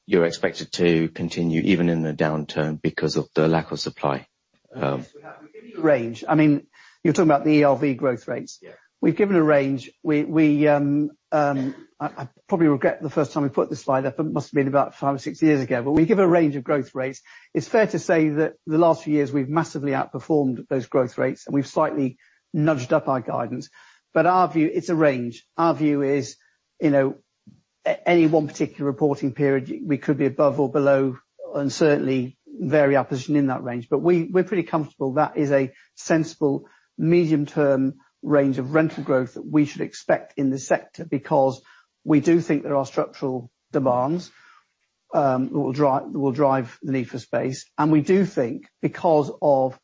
you're expected to continue even in the downturn because of the lack of supply. Yes, we have. We've given you a range. I mean, you're talking about the ELV growth rates. Yeah. We've given a range. We I probably regret the first time we put this slide up. It must have been about five or six years ago. We give a range of growth rates. It's fair to say that the last few years we've massively outperformed those growth rates and we've slightly nudged up our guidance. Our view, it's a range. Our view is, you know, any one particular reporting period, we could be above or below and certainly vary our position in that range. We're pretty comfortable that is a sensible medium term range of rental growth that we should expect in this sector, because we do think there are structural demands that will drive the need for space. We do think because of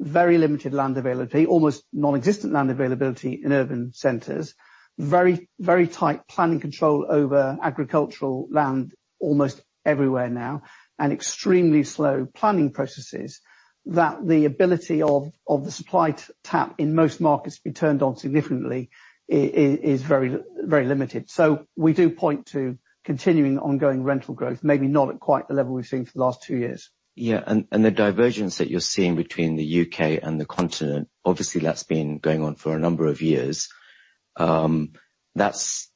very limited land availability, almost non-existent land availability in urban centers, very tight planning control over agricultural land almost everywhere now, and extremely slow planning processes, that the ability of the supply tap in most markets to be turned on significantly is very limited. We do point to continuing ongoing rental growth, maybe not at quite the level we've seen for the last two years. Yeah. The divergence that you're seeing between the U.K. and the Continent, obviously that's been going on for a number of years. That's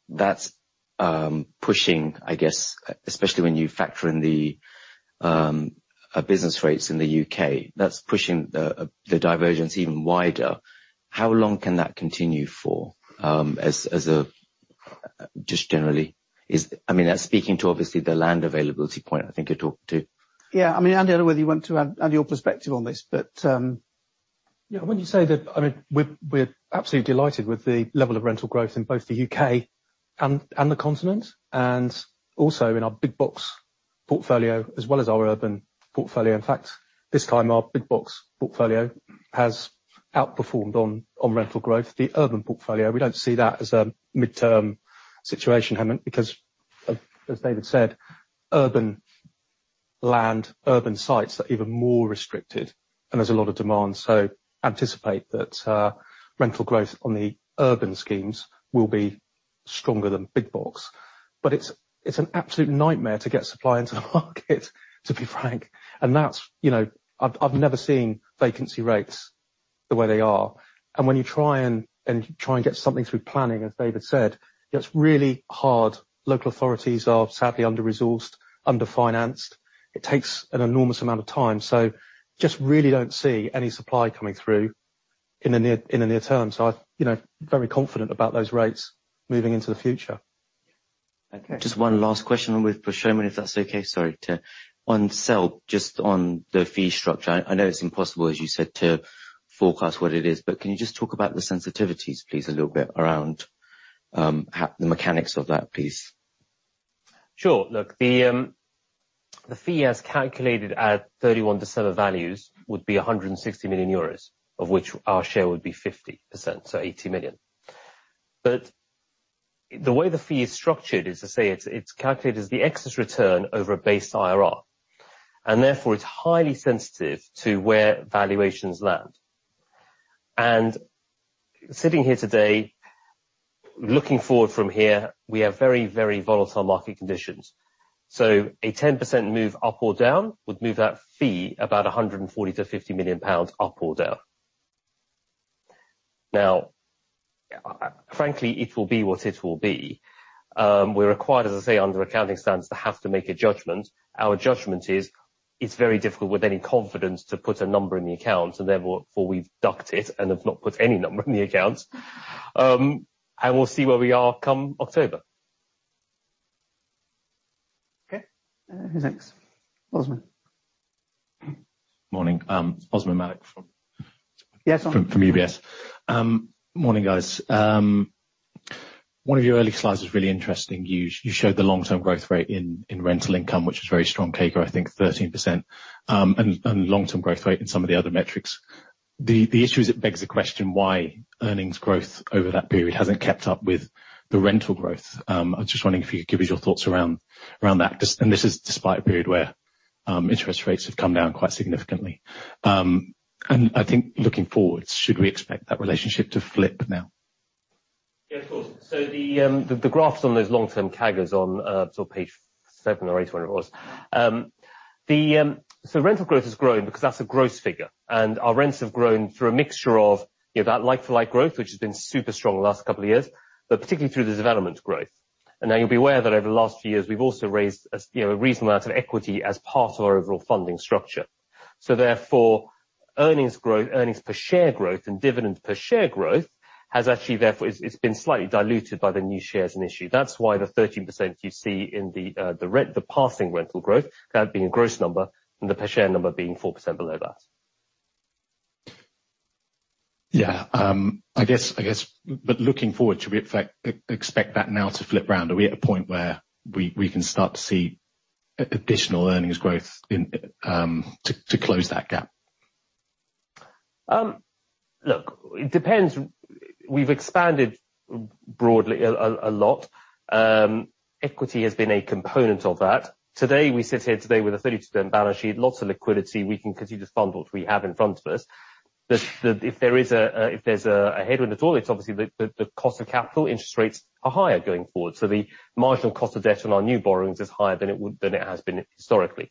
pushing, I guess, especially when you factor in the business rates in the U.K., that's pushing the divergence even wider. How long can that continue for, just generally? I mean, speaking to obviously the land availability point I think you talked to. I mean, Andy, I don't know whether you want to add your perspective on this, but. I wouldn't say that. I mean, we're absolutely delighted with the level of rental growth in both the U.K. and the Continent, and also in our big box portfolio as well as our urban portfolio. In fact, this time our big box portfolio has outperformed on rental growth. The urban portfolio, we don't see that as a midterm situation, Hemant, because as David said, urban land, urban sites are even more restricted and there's a lot of demand. Anticipate that rental growth on the urban schemes will be stronger than big box. It's an absolute nightmare to get supply into the market, to be frank. That's, you know. I've never seen vacancy rates the way they are. When you try and get something through planning, as David said, it's really hard. Local authorities are sadly under-resourced, under-financed. It takes an enormous amount of time. Just really don't see any supply coming through in the near term. You know, very confident about those rates moving into the future. Okay. Just one last question with for Soumen, if that's okay. Sorry. On sale, just on the fee structure. I know it's impossible, as you said, to forecast what it is, but can you just talk about the sensitivities please a little bit around how the mechanics of that piece? Sure. Look, the fee as calculated at 31 December values would be 160 million euros, of which our share would be 50%, so 80 million. The way the fee is structured is to say it's calculated as the excess return over a base IRR, and therefore it's highly sensitive to where valuations land. Sitting here today, looking forward from here, we have very volatile market conditions. A 10% move up or down would move that fee about 140 million-150 million pounds up or down. Now, frankly, it will be what it will be. We're required, as I say, under accounting standards, to have to make a judgment. Our judgment is it's very difficult with any confidence to put a number in the account, and therefore we've ducked it and have not put any number in the account. We'll see where we are come October. Okay. Who's next? Osman. Morning. Osmaan Malik from. Yes. From UBS. Morning, guys. One of your early slides was really interesting. You showed the long-term growth rate in rental income, which was very strong, CAGR, I think 13%, and long-term growth rate in some of the other metrics. The issue is it begs the question why earnings growth over that period hasn't kept up with the rental growth. I was just wondering if you could give us your thoughts around that. This is despite a period where interest rates have come down quite significantly. I think looking forward, should we expect that relationship to flip now? Yeah, of course. The graphs on those long-term CAGRs on sort of page seven or eight, whatever it was. Rental growth has grown because that's a gross figure, and our rents have grown through a mixture of, you know, that like-for-like growth, which has been super strong the last couple of years, but particularly through the development growth. Now you'll be aware that over the last few years we've also raised, as you know, a reasonable amount of equity as part of our overall funding structure. Therefore, earnings per share growth and dividend per share growth has actually therefore, it's been slightly diluted by the new shares in issue. That's why the 13% you see in the passing rental growth, that being a gross number, and the per share number being 4% below that. I guess looking forward, should we expect that now to flip round? Are we at a point where we can start to see additional earnings growth in to close that gap? Look, it depends. We've expanded broadly a lot. Equity has been a component of that. Today, we sit here today with a 32% balance sheet, lots of liquidity. We can continue to fund what we have in front of us. If there is a headwind at all, it's obviously the cost of capital interest rates are higher going forward. The marginal cost of debt on our new borrowings is higher than it would, than it has been historically.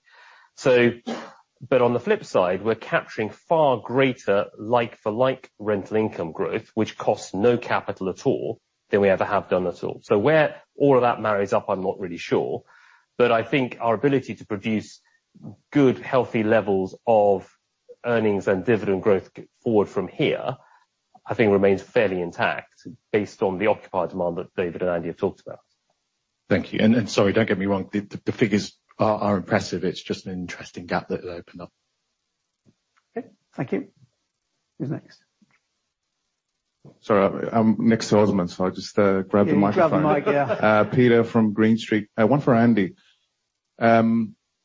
But on the flip side, we're capturing far greater like for like rental income growth, which costs no capital at all than we ever have done at all. Where all of that marries up, I'm not really sure. I think our ability to produce good, healthy levels of earnings and dividend growth forward from here, I think remains fairly intact based on the occupied demand that David and Andy have talked about. Thank you. Sorry, don't get me wrong, the figures are impressive. It's just an interesting gap that opened up. Okay. Thank you. Who's next? Sorry, I'm next to Osman, so I just grabbed the microphone. Yeah, you grabbed the mic. Yeah. Peter from Green Street. One for Andy.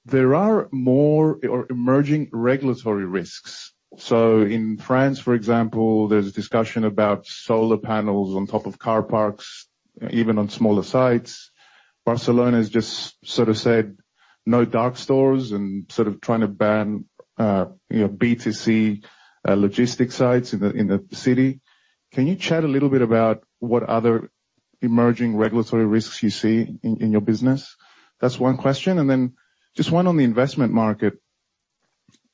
There are more or emerging regulatory risks. In France, for example, there's a discussion about solar panels on top of car parks, even on smaller sites. Barcelona has just sort of said, no dark stores and sort of trying to ban, you know, B2C logistics sites in the city. Can you chat a little bit about what other emerging regulatory risks you see in your business? That's one question, and then just one on the investment market.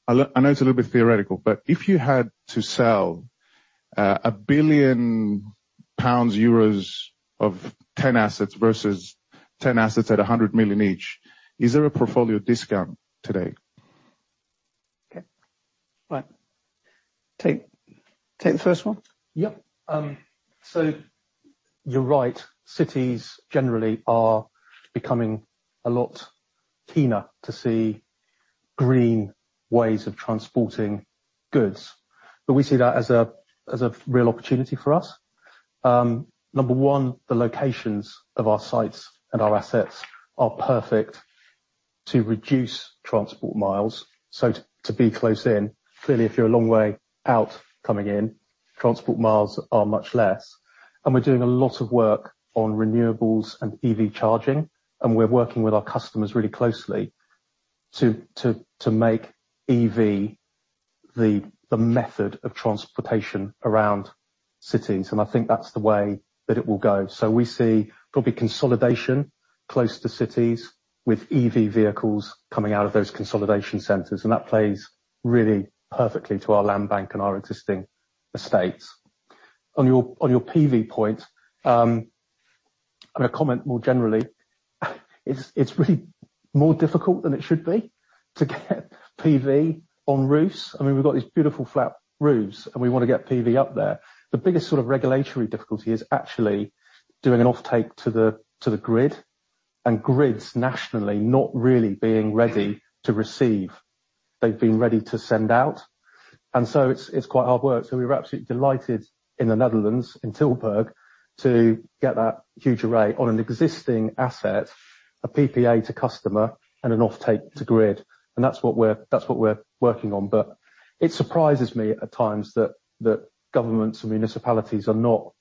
I know it's a little bit theoretical, but if you had to sell 1 billion pounds, EUR 1 billion of 10 assets versus 10 assets at 100 million, EUR 100 million each, is there a portfolio discount today? Okay. Right. Take the first one. Yep. You're right, cities generally are becoming a lot keener to see green ways of transporting goods. We see that as a real opportunity for us. Number one, the locations of our sites and our assets are perfect to reduce transport miles, so to be close in. Clearly, if you're a long way out coming in, transport miles are much less. We're doing a lot of work on renewables and EV charging, and we're working with our customers really closely to make EV the method of transportation around cities, and I think that's the way that it will go. We see probably consolidation close to cities with EV vehicles coming out of those consolidation centers, and that plays really perfectly to our land bank and our existing estates. On your PV point, a comment more generally, it's really more difficult than it should be to get PV on roofs. I mean, we've got these beautiful flat roofs, we wanna get PV up there. The biggest sort of regulatory difficulty is actually doing an offtake to the grid, grids nationally not really being ready to receive. They've been ready to send out. It's quite hard work. We're absolutely delighted in the Netherlands, in Tilburg, to get that huge array on an existing asset, a PPA to customer and an offtake to grid. That's what we're working on. It surprises me at times that governments and municipalities are not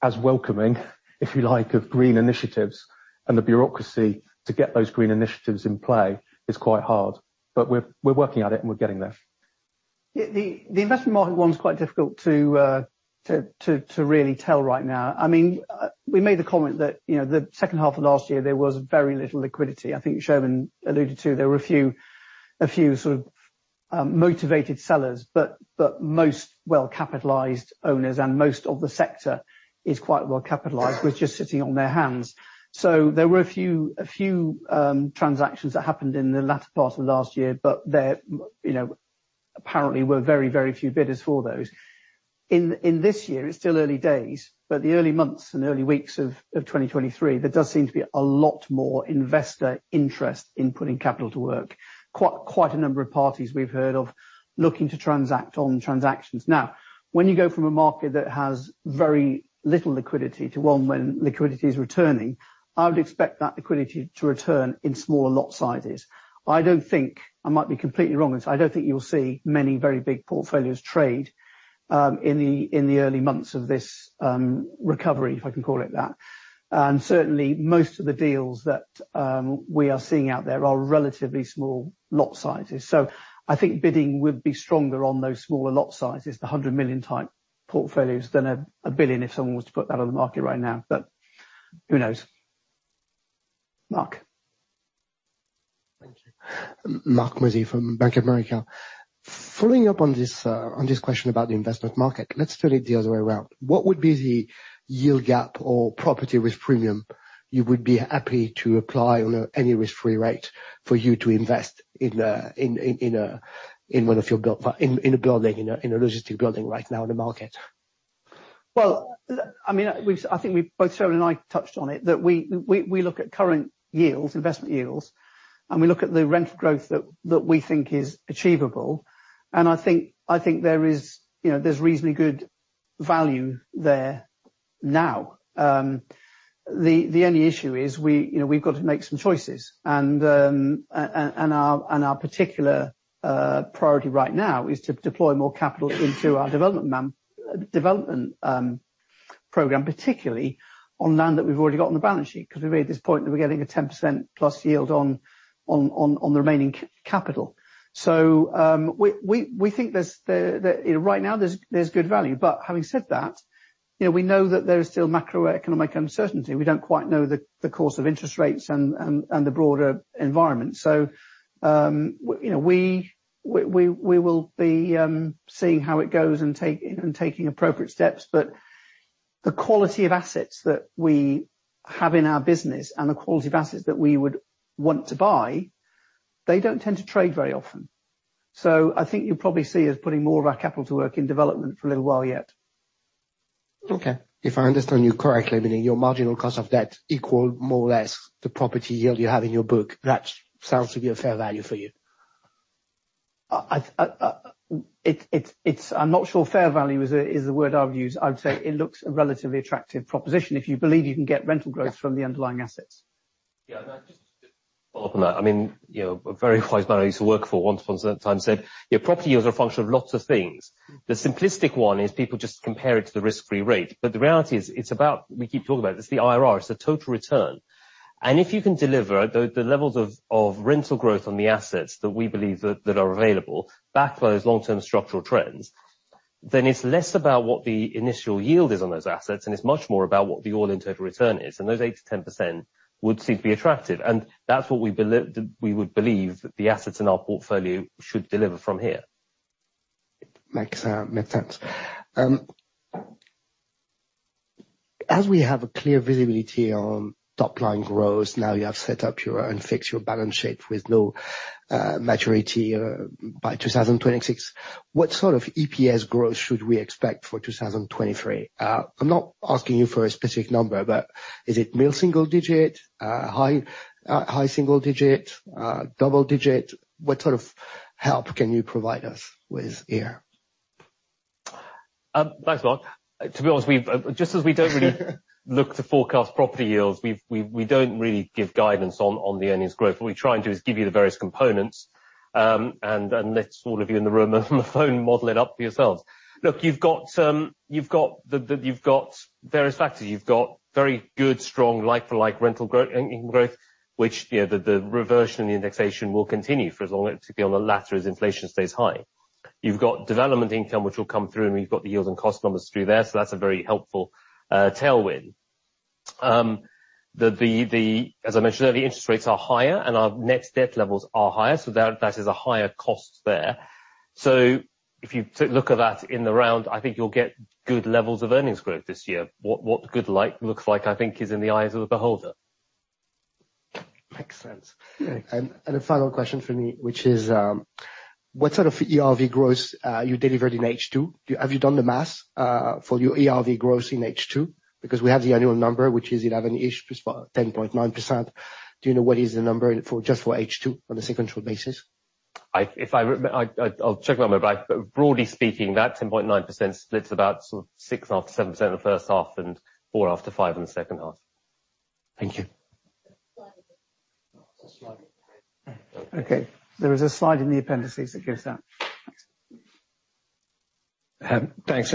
as welcoming, if you like, of green initiatives, and the bureaucracy to get those green initiatives in play is quite hard. We're working at it, and we're getting there. Yeah. The investment market one's quite difficult to really tell right now. I mean, we made the comment that, you know, the second half of last year, there was very little liquidity. I think Soumen alluded to, there were a few sort of motivated sellers, but most well-capitalized owners and most of the sector is quite well capitalized, was just sitting on their hands. There were a few transactions that happened in the latter part of last year, but there, you know, apparently were very, very few bidders for those. In this year, it's still early days, but the early months and early weeks of 2023, there does seem to be a lot more investor interest in putting capital to work. Quite a number of parties we've heard of looking to transact on transactions. When you go from a market that has very little liquidity to one when liquidity is returning, I would expect that liquidity to return in smaller lot sizes. I don't think, I might be completely wrong, I don't think you'll see many very big portfolios trade, in the, in the early months of this, recovery, if I can call it that. Certainly, most of the deals that, we are seeing out there are relatively small lot sizes. I think bidding would be stronger on those smaller lot sizes, the 100 million type portfolios than a 1 billion, if someone was to put that on the market right now. Who knows? Mark. Thank you. Marc Mozzi from Bank of America. Following up on this, on this question about the investment market, let's turn it the other way around. What would be the yield gap or property risk premium you would be happy to apply on a, any risk-free rate for you to invest in a, in a building, in a logistic building right now in the market? Well, look, I mean, I think we've, both Soumen and I touched on it, that we look at current yields, investment yields, and we look at the rental growth that we think is achievable. I think there is, you know, there's reasonably good value there now. The only issue is we, you know, we've got to make some choices. Our particular priority right now is to deploy more capital into our development program, particularly on land that we've already got on the balance sheet. Cause we made this point that we're getting a 10% plus yield on the remaining capital. We think there's the. You know, right now there's good value. Having said that, you know, we know that there is still macroeconomic uncertainty. We don't quite know the course of interest rates and, and the broader environment. You know, we will be seeing how it goes and taking appropriate steps. The quality of assets that we have in our business and the quality of assets that we would want to buy, they don't tend to trade very often. I think you'll probably see us putting more of our capital to work in development for a little while yet. Okay. If I understand you correctly, meaning your marginal cost of debt equal more or less the property yield you have in your book, that sounds to be a fair value for you. I, I'm not sure fair value is the word I would use. I would say it looks a relatively attractive proposition if you believe you can get rental growth... Yeah. from the underlying assets. Yeah. I'd just follow up on that. I mean, you know, a very wise man I used to work for once upon a time said, "Your property yield's a function of lots of things." The simplistic one is people just compare it to the risk-free rate. The reality is, it's about, we keep talking about it's the IRR, it's the total return. If you can deliver the levels of rental growth on the assets that we believe that are available, back those long-term structural trends, then it's less about what the initial yield is on those assets, and it's much more about what the all-in total returnouSoumen is. Those 8%-10% would seem to be attractive. That's what we would believe the assets in our portfolio should deliver from here. Makes sense. As we have a clear visibility on top-line growth, now you have set up your own, fixed your balance sheet with no maturity by 2026, what sort of EPS growth should we expect for 2023? I'm not asking you for a specific number, but is it mid-single digit? high single digit? double digit? What sort of help can you provide us with here? Thanks, Marc. To be honest, we've... Just as we don't really look to forecast property yields, we don't really give guidance on the earnings growth. What we try and do is give you the various components, and let sort of you in the room and on the phone model it up for yourselves. Look, you've got various factors. You've got very good, strong like-for-like rental growth, income growth, which, you know, the reversion and the indexation will continue for as long as, particularly on the latter, as inflation stays high. You've got development income which will come through, and we've got the yields and cost numbers through there, so that's a very helpful tailwind. As I mentioned earlier, the interest rates are higher and our net debt levels are higher, so that is a higher cost there. If you look at that in the round, I think you'll get good levels of earnings growth this year. What good like, looks like, I think, is in the eyes of the beholder. Makes sense. A final question from me, which is what sort of ERV growth you delivered in H2? Have you done the math for your ERV growth in H2? Because we have the annual number, which is 11-ish, 10.9%. Do you know what is the number for, just for H2 on a sequential basis? I'll check on that, Marc. Broadly speaking, that 10.9% splits about sort of 6.5%-7% in the first half and 4.5%-5% in the second half. Thank you. There is a slide in the appendices that gives that. Thanks.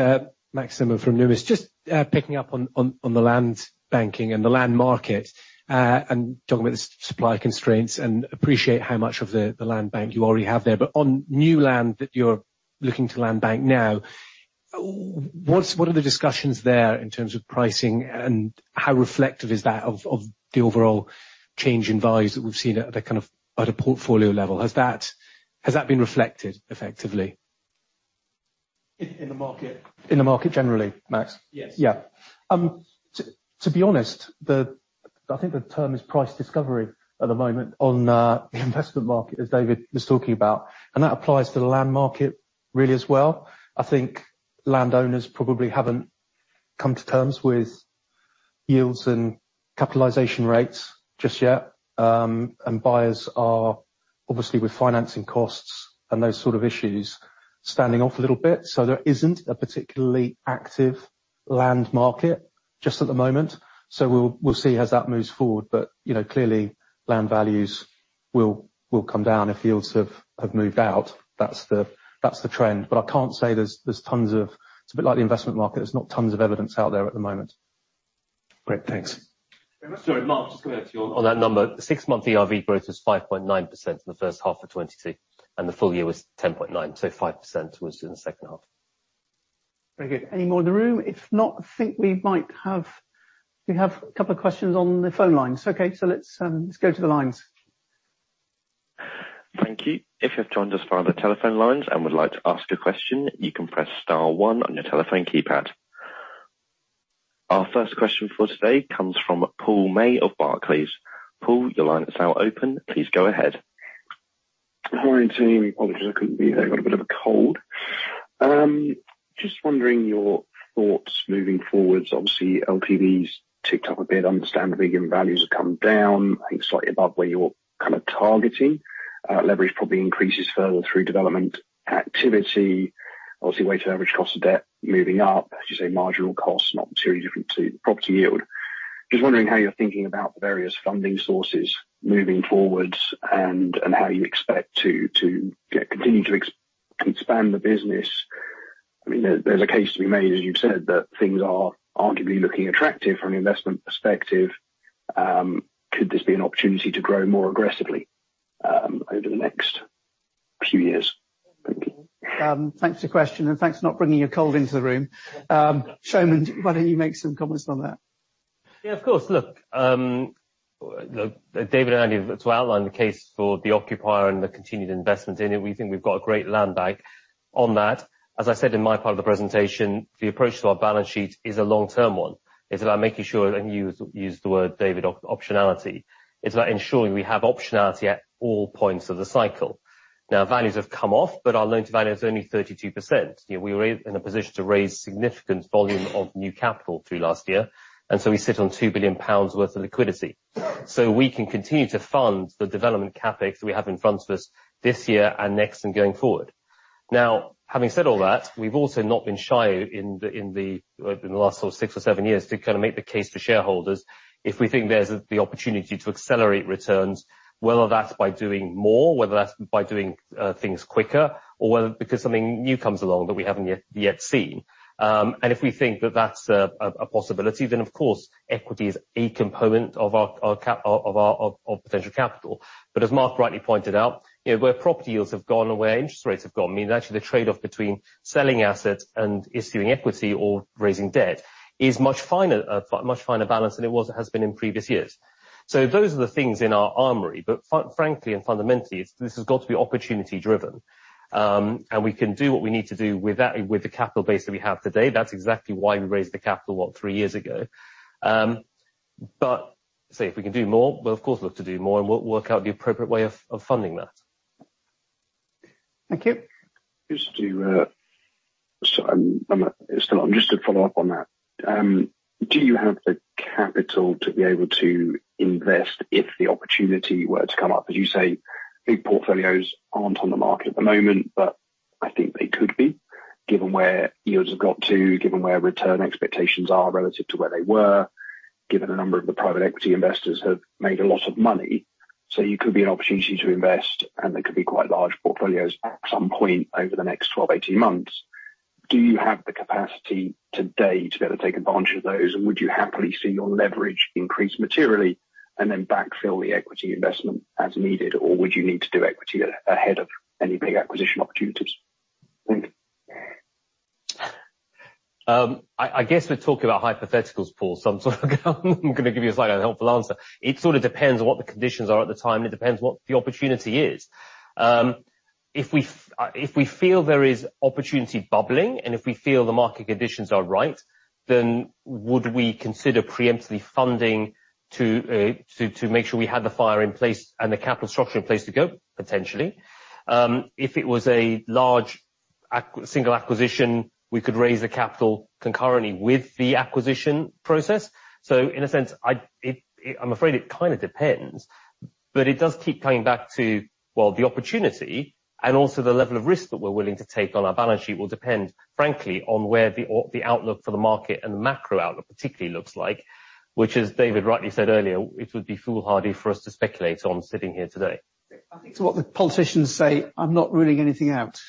Max Nimmo from Numis. Just picking up on the land banking and the land market, and talking about the supply constraints, and appreciate how much of the land bank you already have there. On new land that you're looking to land bank now, what's, what are the discussions there in terms of pricing, and how reflective is that of the overall change in values that we've seen at a kind of, at a portfolio level? Has that been reflected effectively? In the market? In the market generally, Max. Yes. Yeah. To be honest, I think the term is price discovery at the moment on the investment market, as David was talking about. That applies to the land market really as well. I think landowners probably haven't come to terms with yields and capitalization rates just yet. Buyers are obviously with financing costs and those sort of issues, standing off a little bit. There isn't a particularly active land market just at the moment. We'll see as that moves forward. You know, clearly land values Will come down if yields have moved out. That's the trend. I can't say there's tons of... It's a bit like the investment market. There's not tons of evidence out there at the moment. Great. Thanks. Sorry, Mark, just going back to you on that number. Six-month ERV growth was 5.9% for the first half of 2022. The full year was 10.9%. Five percent was in the second half. Very good. Any more in the room? If not, We have a couple of questions on the phone lines. Okay, let's go to the lines. Thank you. If you've joined us via the telephone lines and would like to ask a question, you can press star one on your telephone keypad. Our first question for today comes from Paul May of Barclays. Paul, your line is now open. Please go ahead. Morning, team. Apologies I couldn't be there. Got a bit of a cold. Just wondering your thoughts moving forward. Obviously LTV's ticked up a bit, understandably, given values have come down, I think slightly above where you're kind of targeting. Leverage probably increases further through development activity. Obviously weighted average cost of debt moving up. As you say, marginal costs not materially different to property yield. Just wondering how you're thinking about the various funding sources moving forward and how you expect to continue to expand the business. I mean, there's a case to be made, as you've said, that things are arguably looking attractive from an investment perspective. Could this be an opportunity to grow more aggressively over the next few years? Thank you. Thanks for question and thanks for not bringing your cold into the room. Shailen, why don't you make some comments on that? Yeah, of course. Look, look, David and I have outlined the case for the occupier and the continued investment in it. We think we've got a great land bank on that. As I said in my part of the presentation, the approach to our balance sheet is a long-term one. It's about making sure, and you used the word, David, optionality. It's about ensuring we have optionality at all points of the cycle. Now, values have come off, but our loan to value is only 32%. You know, we were in a position to raise significant volume of new capital through last year, and so we sit on 2 billion pounds worth of liquidity. We can continue to fund the development CAPEX we have in front of us this year and next and going forward. Having said all that, we've also not been shy in the last sort of six or seven years to kinda make the case for shareholders if we think there's the opportunity to accelerate returns, whether that's by doing more, whether that's by doing things quicker, or whether because something new comes along that we haven't yet seen. If we think that that's a possibility, then of course, equity is a component of our potential capital. As Mark rightly pointed out, you know, where property yields have gone and where interest rates have gone means actually the trade-off between selling assets and issuing equity or raising debt is much finer balance than it has been in previous years. Those are the things in our armory. Frankly and fundamentally, this has got to be opportunity driven. We can do what we need to do with that, with the capital base that we have today. That's exactly why we raised the capital, what, 3 years ago. Say, if we can do more, we'll of course look to do more, and we'll work out the appropriate way of funding that. Thank you. Just to follow up on that. Do you have the capital to be able to invest if the opportunity were to come up? As you say, big portfolios aren't on the market at the moment. I think they could be, given where yields have got to, given where return expectations are relative to where they were, given a number of the private equity investors have made a lot of money. You could be an opportunity to invest, and there could be quite large portfolios at some point over the next 12, 18 months. Do you have the capacity today to be able to take advantage of those? Would you happily see your leverage increase materially and then backfill the equity investment as needed? Would you need to do equity ahead of any big acquisition opportunities? Thank you. I guess we're talking about hypotheticals, Paul, I'm sort of gonna give you a slightly unhelpful answer. It sort of depends on what the conditions are at the time, and it depends what the opportunity is. If we feel there is opportunity bubbling, and if we feel the market conditions are right, then would we consider preemptively funding to make sure we had the fire in place and the capital structure in place to go? Potentially. If it was a large single acquisition, we could raise the capital concurrently with the acquisition process. In a sense, I'm afraid it kinda depends. It does keep coming back to, well, the opportunity and also the level of risk that we're willing to take on our balance sheet will depend, frankly, on where the outlook for the market and the macro outlook particularly looks like, which as David rightly said earlier, it would be foolhardy for us to speculate on sitting here today. I think it's what the politicians say, "I'm not ruling anything out.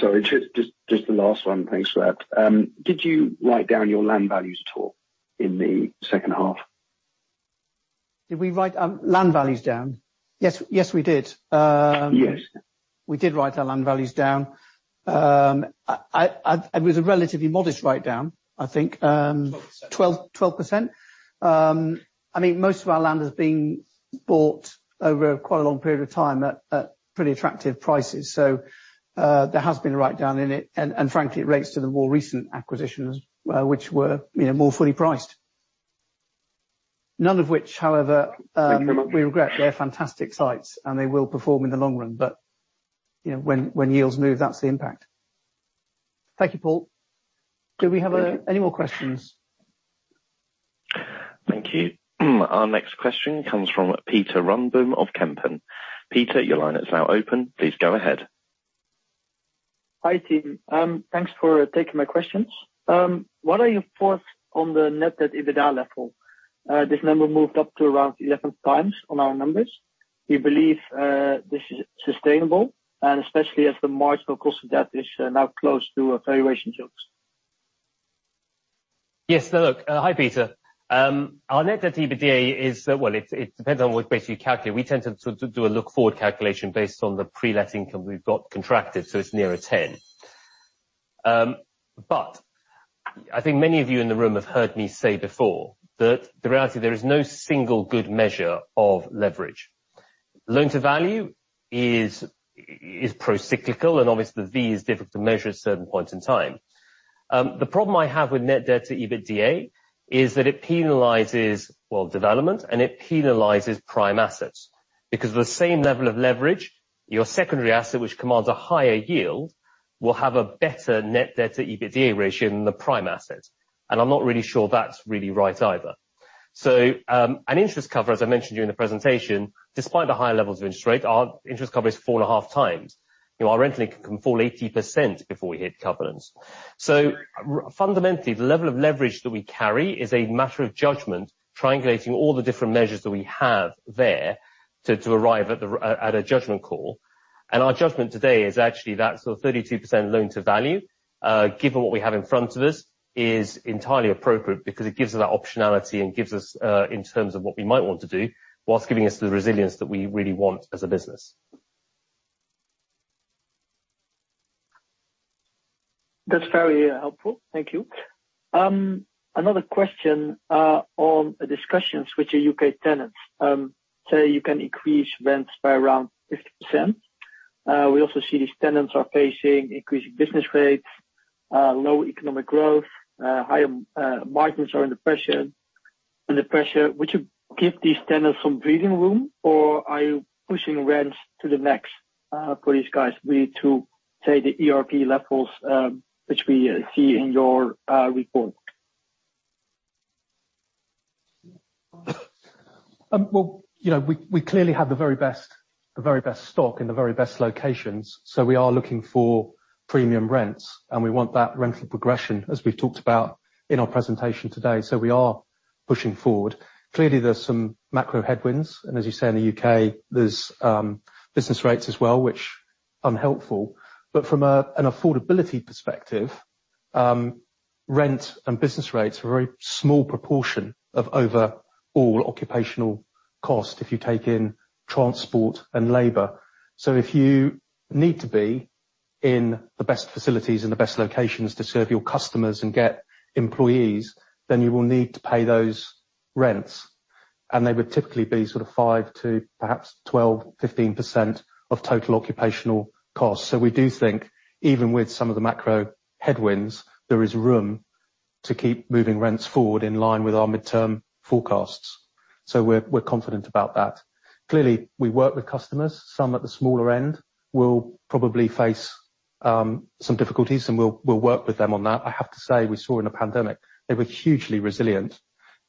Sorry, just the last one. Thanks for that. Did you write down your land values at all in the second half? Did we write, land values down? Yes, yes, we did. Yes. We did write our land values down. I, it was a relatively modest write down, I think. 12%. 12%. I mean, most of our land has been bought over quite a long period of time at pretty attractive prices. There has been a write down in it, and frankly, it relates to the more recent acquisitions, which were, you know, more fully priced. None of which, however. Thank you very much. We regret. They're fantastic sites, and they will perform in the long run. You know, when yields move, that's the impact. Thank you, Paul. Thank you. Any more questions? Thank you. Our next question comes from Pieter Runneboom of Kempen. Pieter, your line is now open. Please go ahead. Hi, team. Thanks for taking my questions. What are your thoughts on the net debt EBITDA level? This number moved up to around 11 times on our numbers. Do you believe this is sustainable and especially as the marginal cost of debt is now close to valuation chunks? Yes. Look, hi, Pieter. Our net debt to EBITDA is, well, it depends on what base you calculate. We tend to do a look-forward calculation based on the pre-let income we've got contracted, so it's nearer 10. I think many of you in the room have heard me say before that the reality there is no single good measure of leverage. Loan to value is pro-cyclical, and obviously the V is difficult to measure at certain points in time. The problem I have with net debt to EBITDA is that it penalizes, well, development and it penalizes prime assets. The same level of leverage, your secondary asset, which commands a higher yield, will have a better net debt to EBITDA ratio than the prime asset. I'm not really sure that's really right either. An interest cover, as I mentioned during the presentation, despite the high levels of interest rate, our interest cover is 4.5 times. You know, our rent can fall 80% before we hit covenants. Fundamentally, the level of leverage that we carry is a matter of judgment, triangulating all the different measures that we have there to arrive at a judgment call. Our judgment today is actually that sort of 32% loan to value, given what we have in front of us, is entirely appropriate because it gives us that optionality and gives us, in terms of what we might want to do, while giving us the resilience that we really want as a business. That's very helpful. Thank you. Another question on discussions with your UK tenants. Say you can increase rents by around 50%. We also see these tenants are facing increasing business rates, low economic growth, higher margins are under pressure. Would you give these tenants some breathing room or are you pushing rents to the max for these guys really to take the ERV levels, which we see in your report? Well, you know, we clearly have the very best, the very best stock in the very best locations. We are looking for premium rents, and we want that rental progression, as we've talked about in our presentation today. We are pushing forward. Clearly, there's some macro headwinds, and as you say, in the U.K., there's business rates as well, which aren't helpful. From an affordability perspective, rent and business rates are a very small proportion of overall occupational cost if you take in transport and labor. If you need to be in the best facilities and the best locations to serve your customers and get employees, then you will need to pay those rents. They would typically be sort of 5% to perhaps 12%, 15% of total occupational costs. We do think even with some of the macro headwinds, there is room to keep moving rents forward in line with our midterm forecasts. We're confident about that. Clearly, we work with customers. Some at the smaller end will probably face some difficulties, and we'll work with them on that. I have to say, we saw in a pandemic, they were hugely resilient,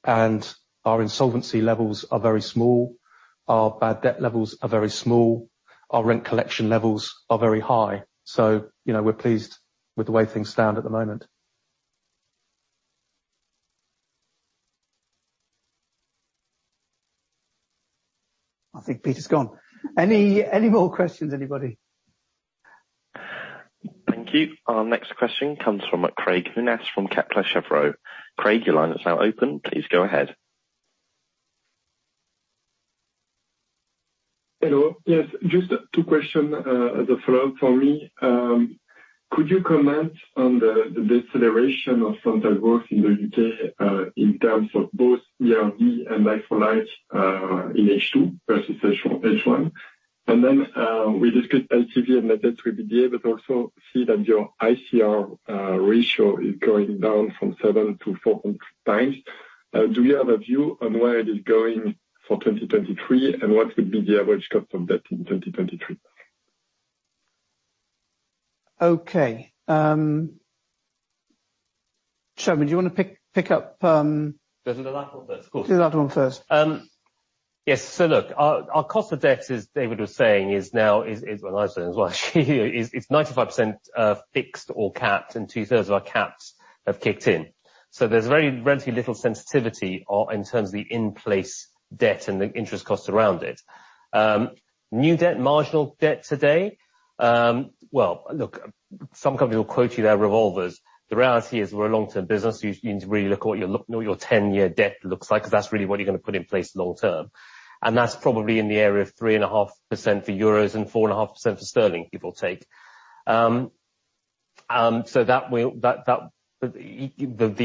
and our insolvency levels are very small. Our bad debt levels are very small. Our rent collection levels are very high. You know, we're pleased with the way things stand at the moment. I think Pieter's gone. Any more questions, anybody? Thank you. Our next question comes from Craig Abbott from Kepler Cheuvreux. Craig, your line is now open. Please go ahead. Hello. Yes, just two question as a follow-up for me. Could you comment on the deceleration of rental growth in the U.K. in terms of both ERV and like for like in H2 versus H1? We discussed LTV and net debt to EBITDA, but also see that your ICR ratio is going down from seven to 4 times. Do you have a view on where it is going for 2023, and what would be the average cost of debt in 2023? Okay. Soumen, do you wanna pick up? Go for the last one first. Of course. Do the last one first. Yes. Look, our cost of debt, as David was saying, is now. Well, I said it as well. It's 95% fixed or capped, and two-thirds of our caps have kicked in. There's very relatively little sensitivity on, in terms of the in-place debt and the interest costs around it. New debt, marginal debt today, well, look, some companies will quote you their revolvers. The reality is we're a long-term business. You need to really know what your 10-year debt looks like, 'cause that's really what you're gonna put in place long term. That's probably in the area of 3.5% for EUR and 4.5% for GBP it will take. That will, that, the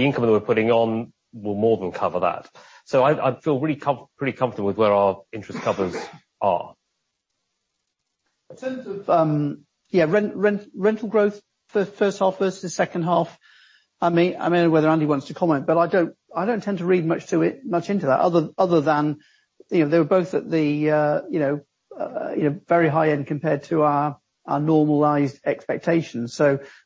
income that we're putting on will more than cover that. I feel really pretty comfortable with where our interest covers are. In terms of, yeah, rental growth first half versus second half, I may whether Andy wants to comment, but I don't tend to read much into that other than, you know, they were both at the, you know, very high-end compared to our normalized expectations.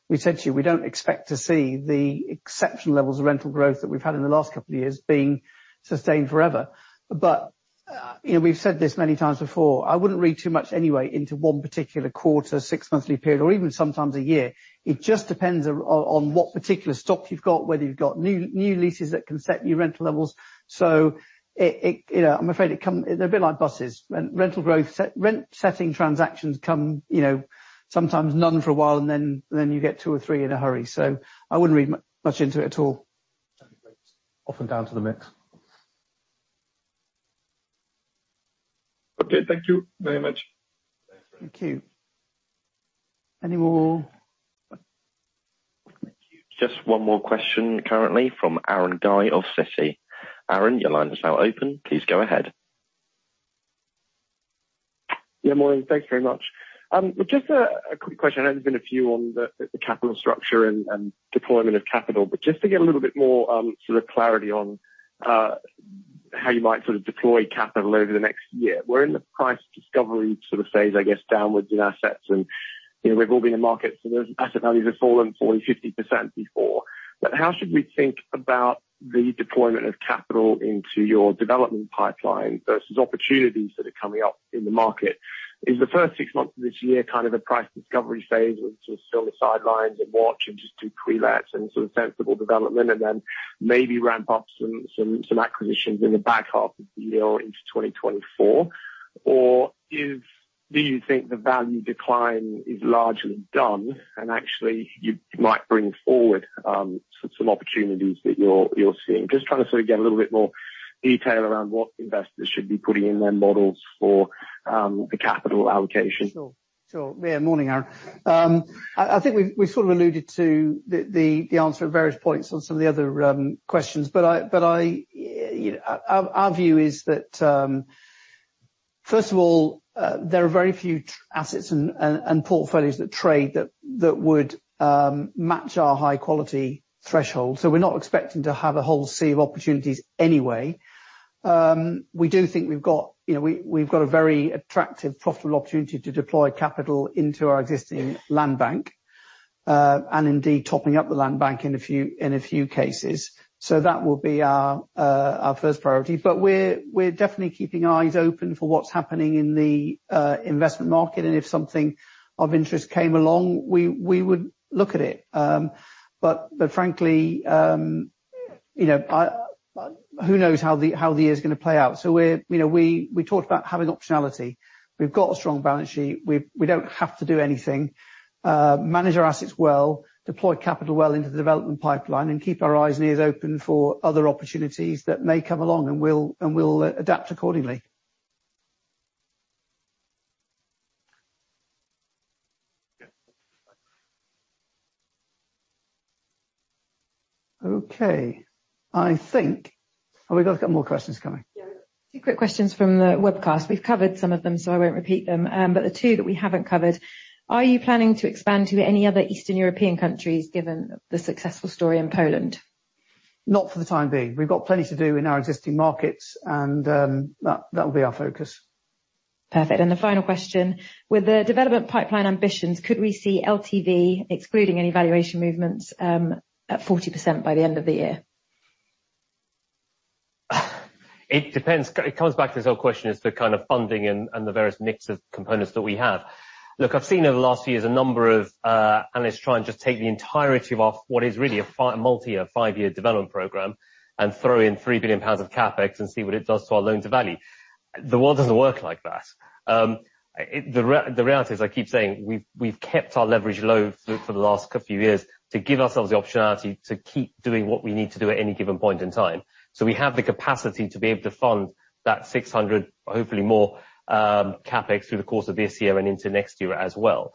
We said to you, we don't expect to see the exceptional levels of rental growth that we've had in the last couple of years being sustained forever. You know, we've said this many times before, I wouldn't read too much anyway into one particular quarter, six monthly period or even sometimes a year. It just depends on what particular stock you've got, whether you've got new leases that can set new rental levels. You know, I'm afraid they're a bit like buses and rental growth. Rent setting transactions come, you know, sometimes none for a while and then you get two or three in a hurry. I wouldn't read much into it at all. Often down to the mix. Okay, thank you very much. Thank you. Any more? Just one more question currently from Aaron Guy of Citi. Aaron, your line is now open. Please go ahead. Morning. Thank you very much. Just a quick question. I know there's been a few on the capital structure and deployment of capital, but just to get a little bit more sort of clarity on how you might sort of deploy capital over the next year. We're in the price discovery sort of phase, I guess, downwards in assets and, you know, we've all been in markets where those asset values have fallen 40%-50% before. How should we think about the deployment of capital into your development pipeline versus opportunities that are coming up in the market? Is the first six months of this year kind of a price discovery phase or sort of sit on the sidelines and watch and just do pre-lets and sort of sensible development and then maybe ramp up some acquisitions in the back half of the year or into 2024? Do you think the value decline is largely done and actually you might bring forward some opportunities that you're seeing? Just trying to sort of get a little bit more detail around what investors should be putting in their models for the capital allocation. Sure. Sure. Yeah. Morning, Aaron. I think we sort of alluded to the answer at various points on some of the other questions, but I You know, our view is that, first of all, there are very few assets and portfolios that trade that would match our high quality threshold. We're not expecting to have a whole sea of opportunities anyway. We do think we've got, you know, we've got a very attractive profitable opportunity to deploy capital into our existing land bank and indeed topping up the land bank in a few cases. That will be our first priority. We're definitely keeping our eyes open for what's happening in the investment market, and if something of interest came along, we would look at it. Frankly, you know, who knows how the year's gonna play out? We're, you know, we talked about having optionality. We've got a strong balance sheet. We don't have to do anything. Manage our assets well, deploy capital well into the development pipeline and keep our eyes and ears open for other opportunities that may come along, and we'll adapt accordingly. Yeah. Okay. I think... Have we got a couple more questions coming? Yeah. A few quick questions from the webcast. We've covered some of them, so I won't repeat them. The two that we haven't covered, are you planning to expand to any other Eastern European countries given the successful story in Poland? Not for the time being. We've got plenty to do in our existing markets and, that'll be our focus. Perfect. The final question: With the development pipeline ambitions, could we see LTV excluding any valuation movements, at 40% by the end of the year? It depends. It comes back to this whole question as to kind of funding and the various mix of components that we have. Look, I've seen over the last few years a number of analysts try and just take the entirety of what is really a multi-year, five-year development program and throw in 3 billion pounds of CAPEX and see what it does to our loan-to-value. The world doesn't work like that. The reality is, I keep saying, we've kept our leverage low for the last few years to give ourselves the optionality to keep doing what we need to do at any given point in time. We have the capacity to be able to fund that 600, hopefully more, CAPEX through the course of this year and into next year as well.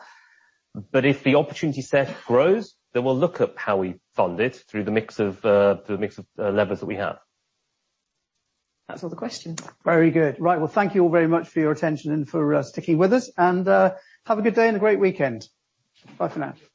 If the opportunity set grows, then we'll look at how we fund it through the mix of levers that we have. That's all the questions. Very good. Right. Well, thank you all very much for your attention and for sticking with us and have a good day and a great weekend. Bye for now. Thank you.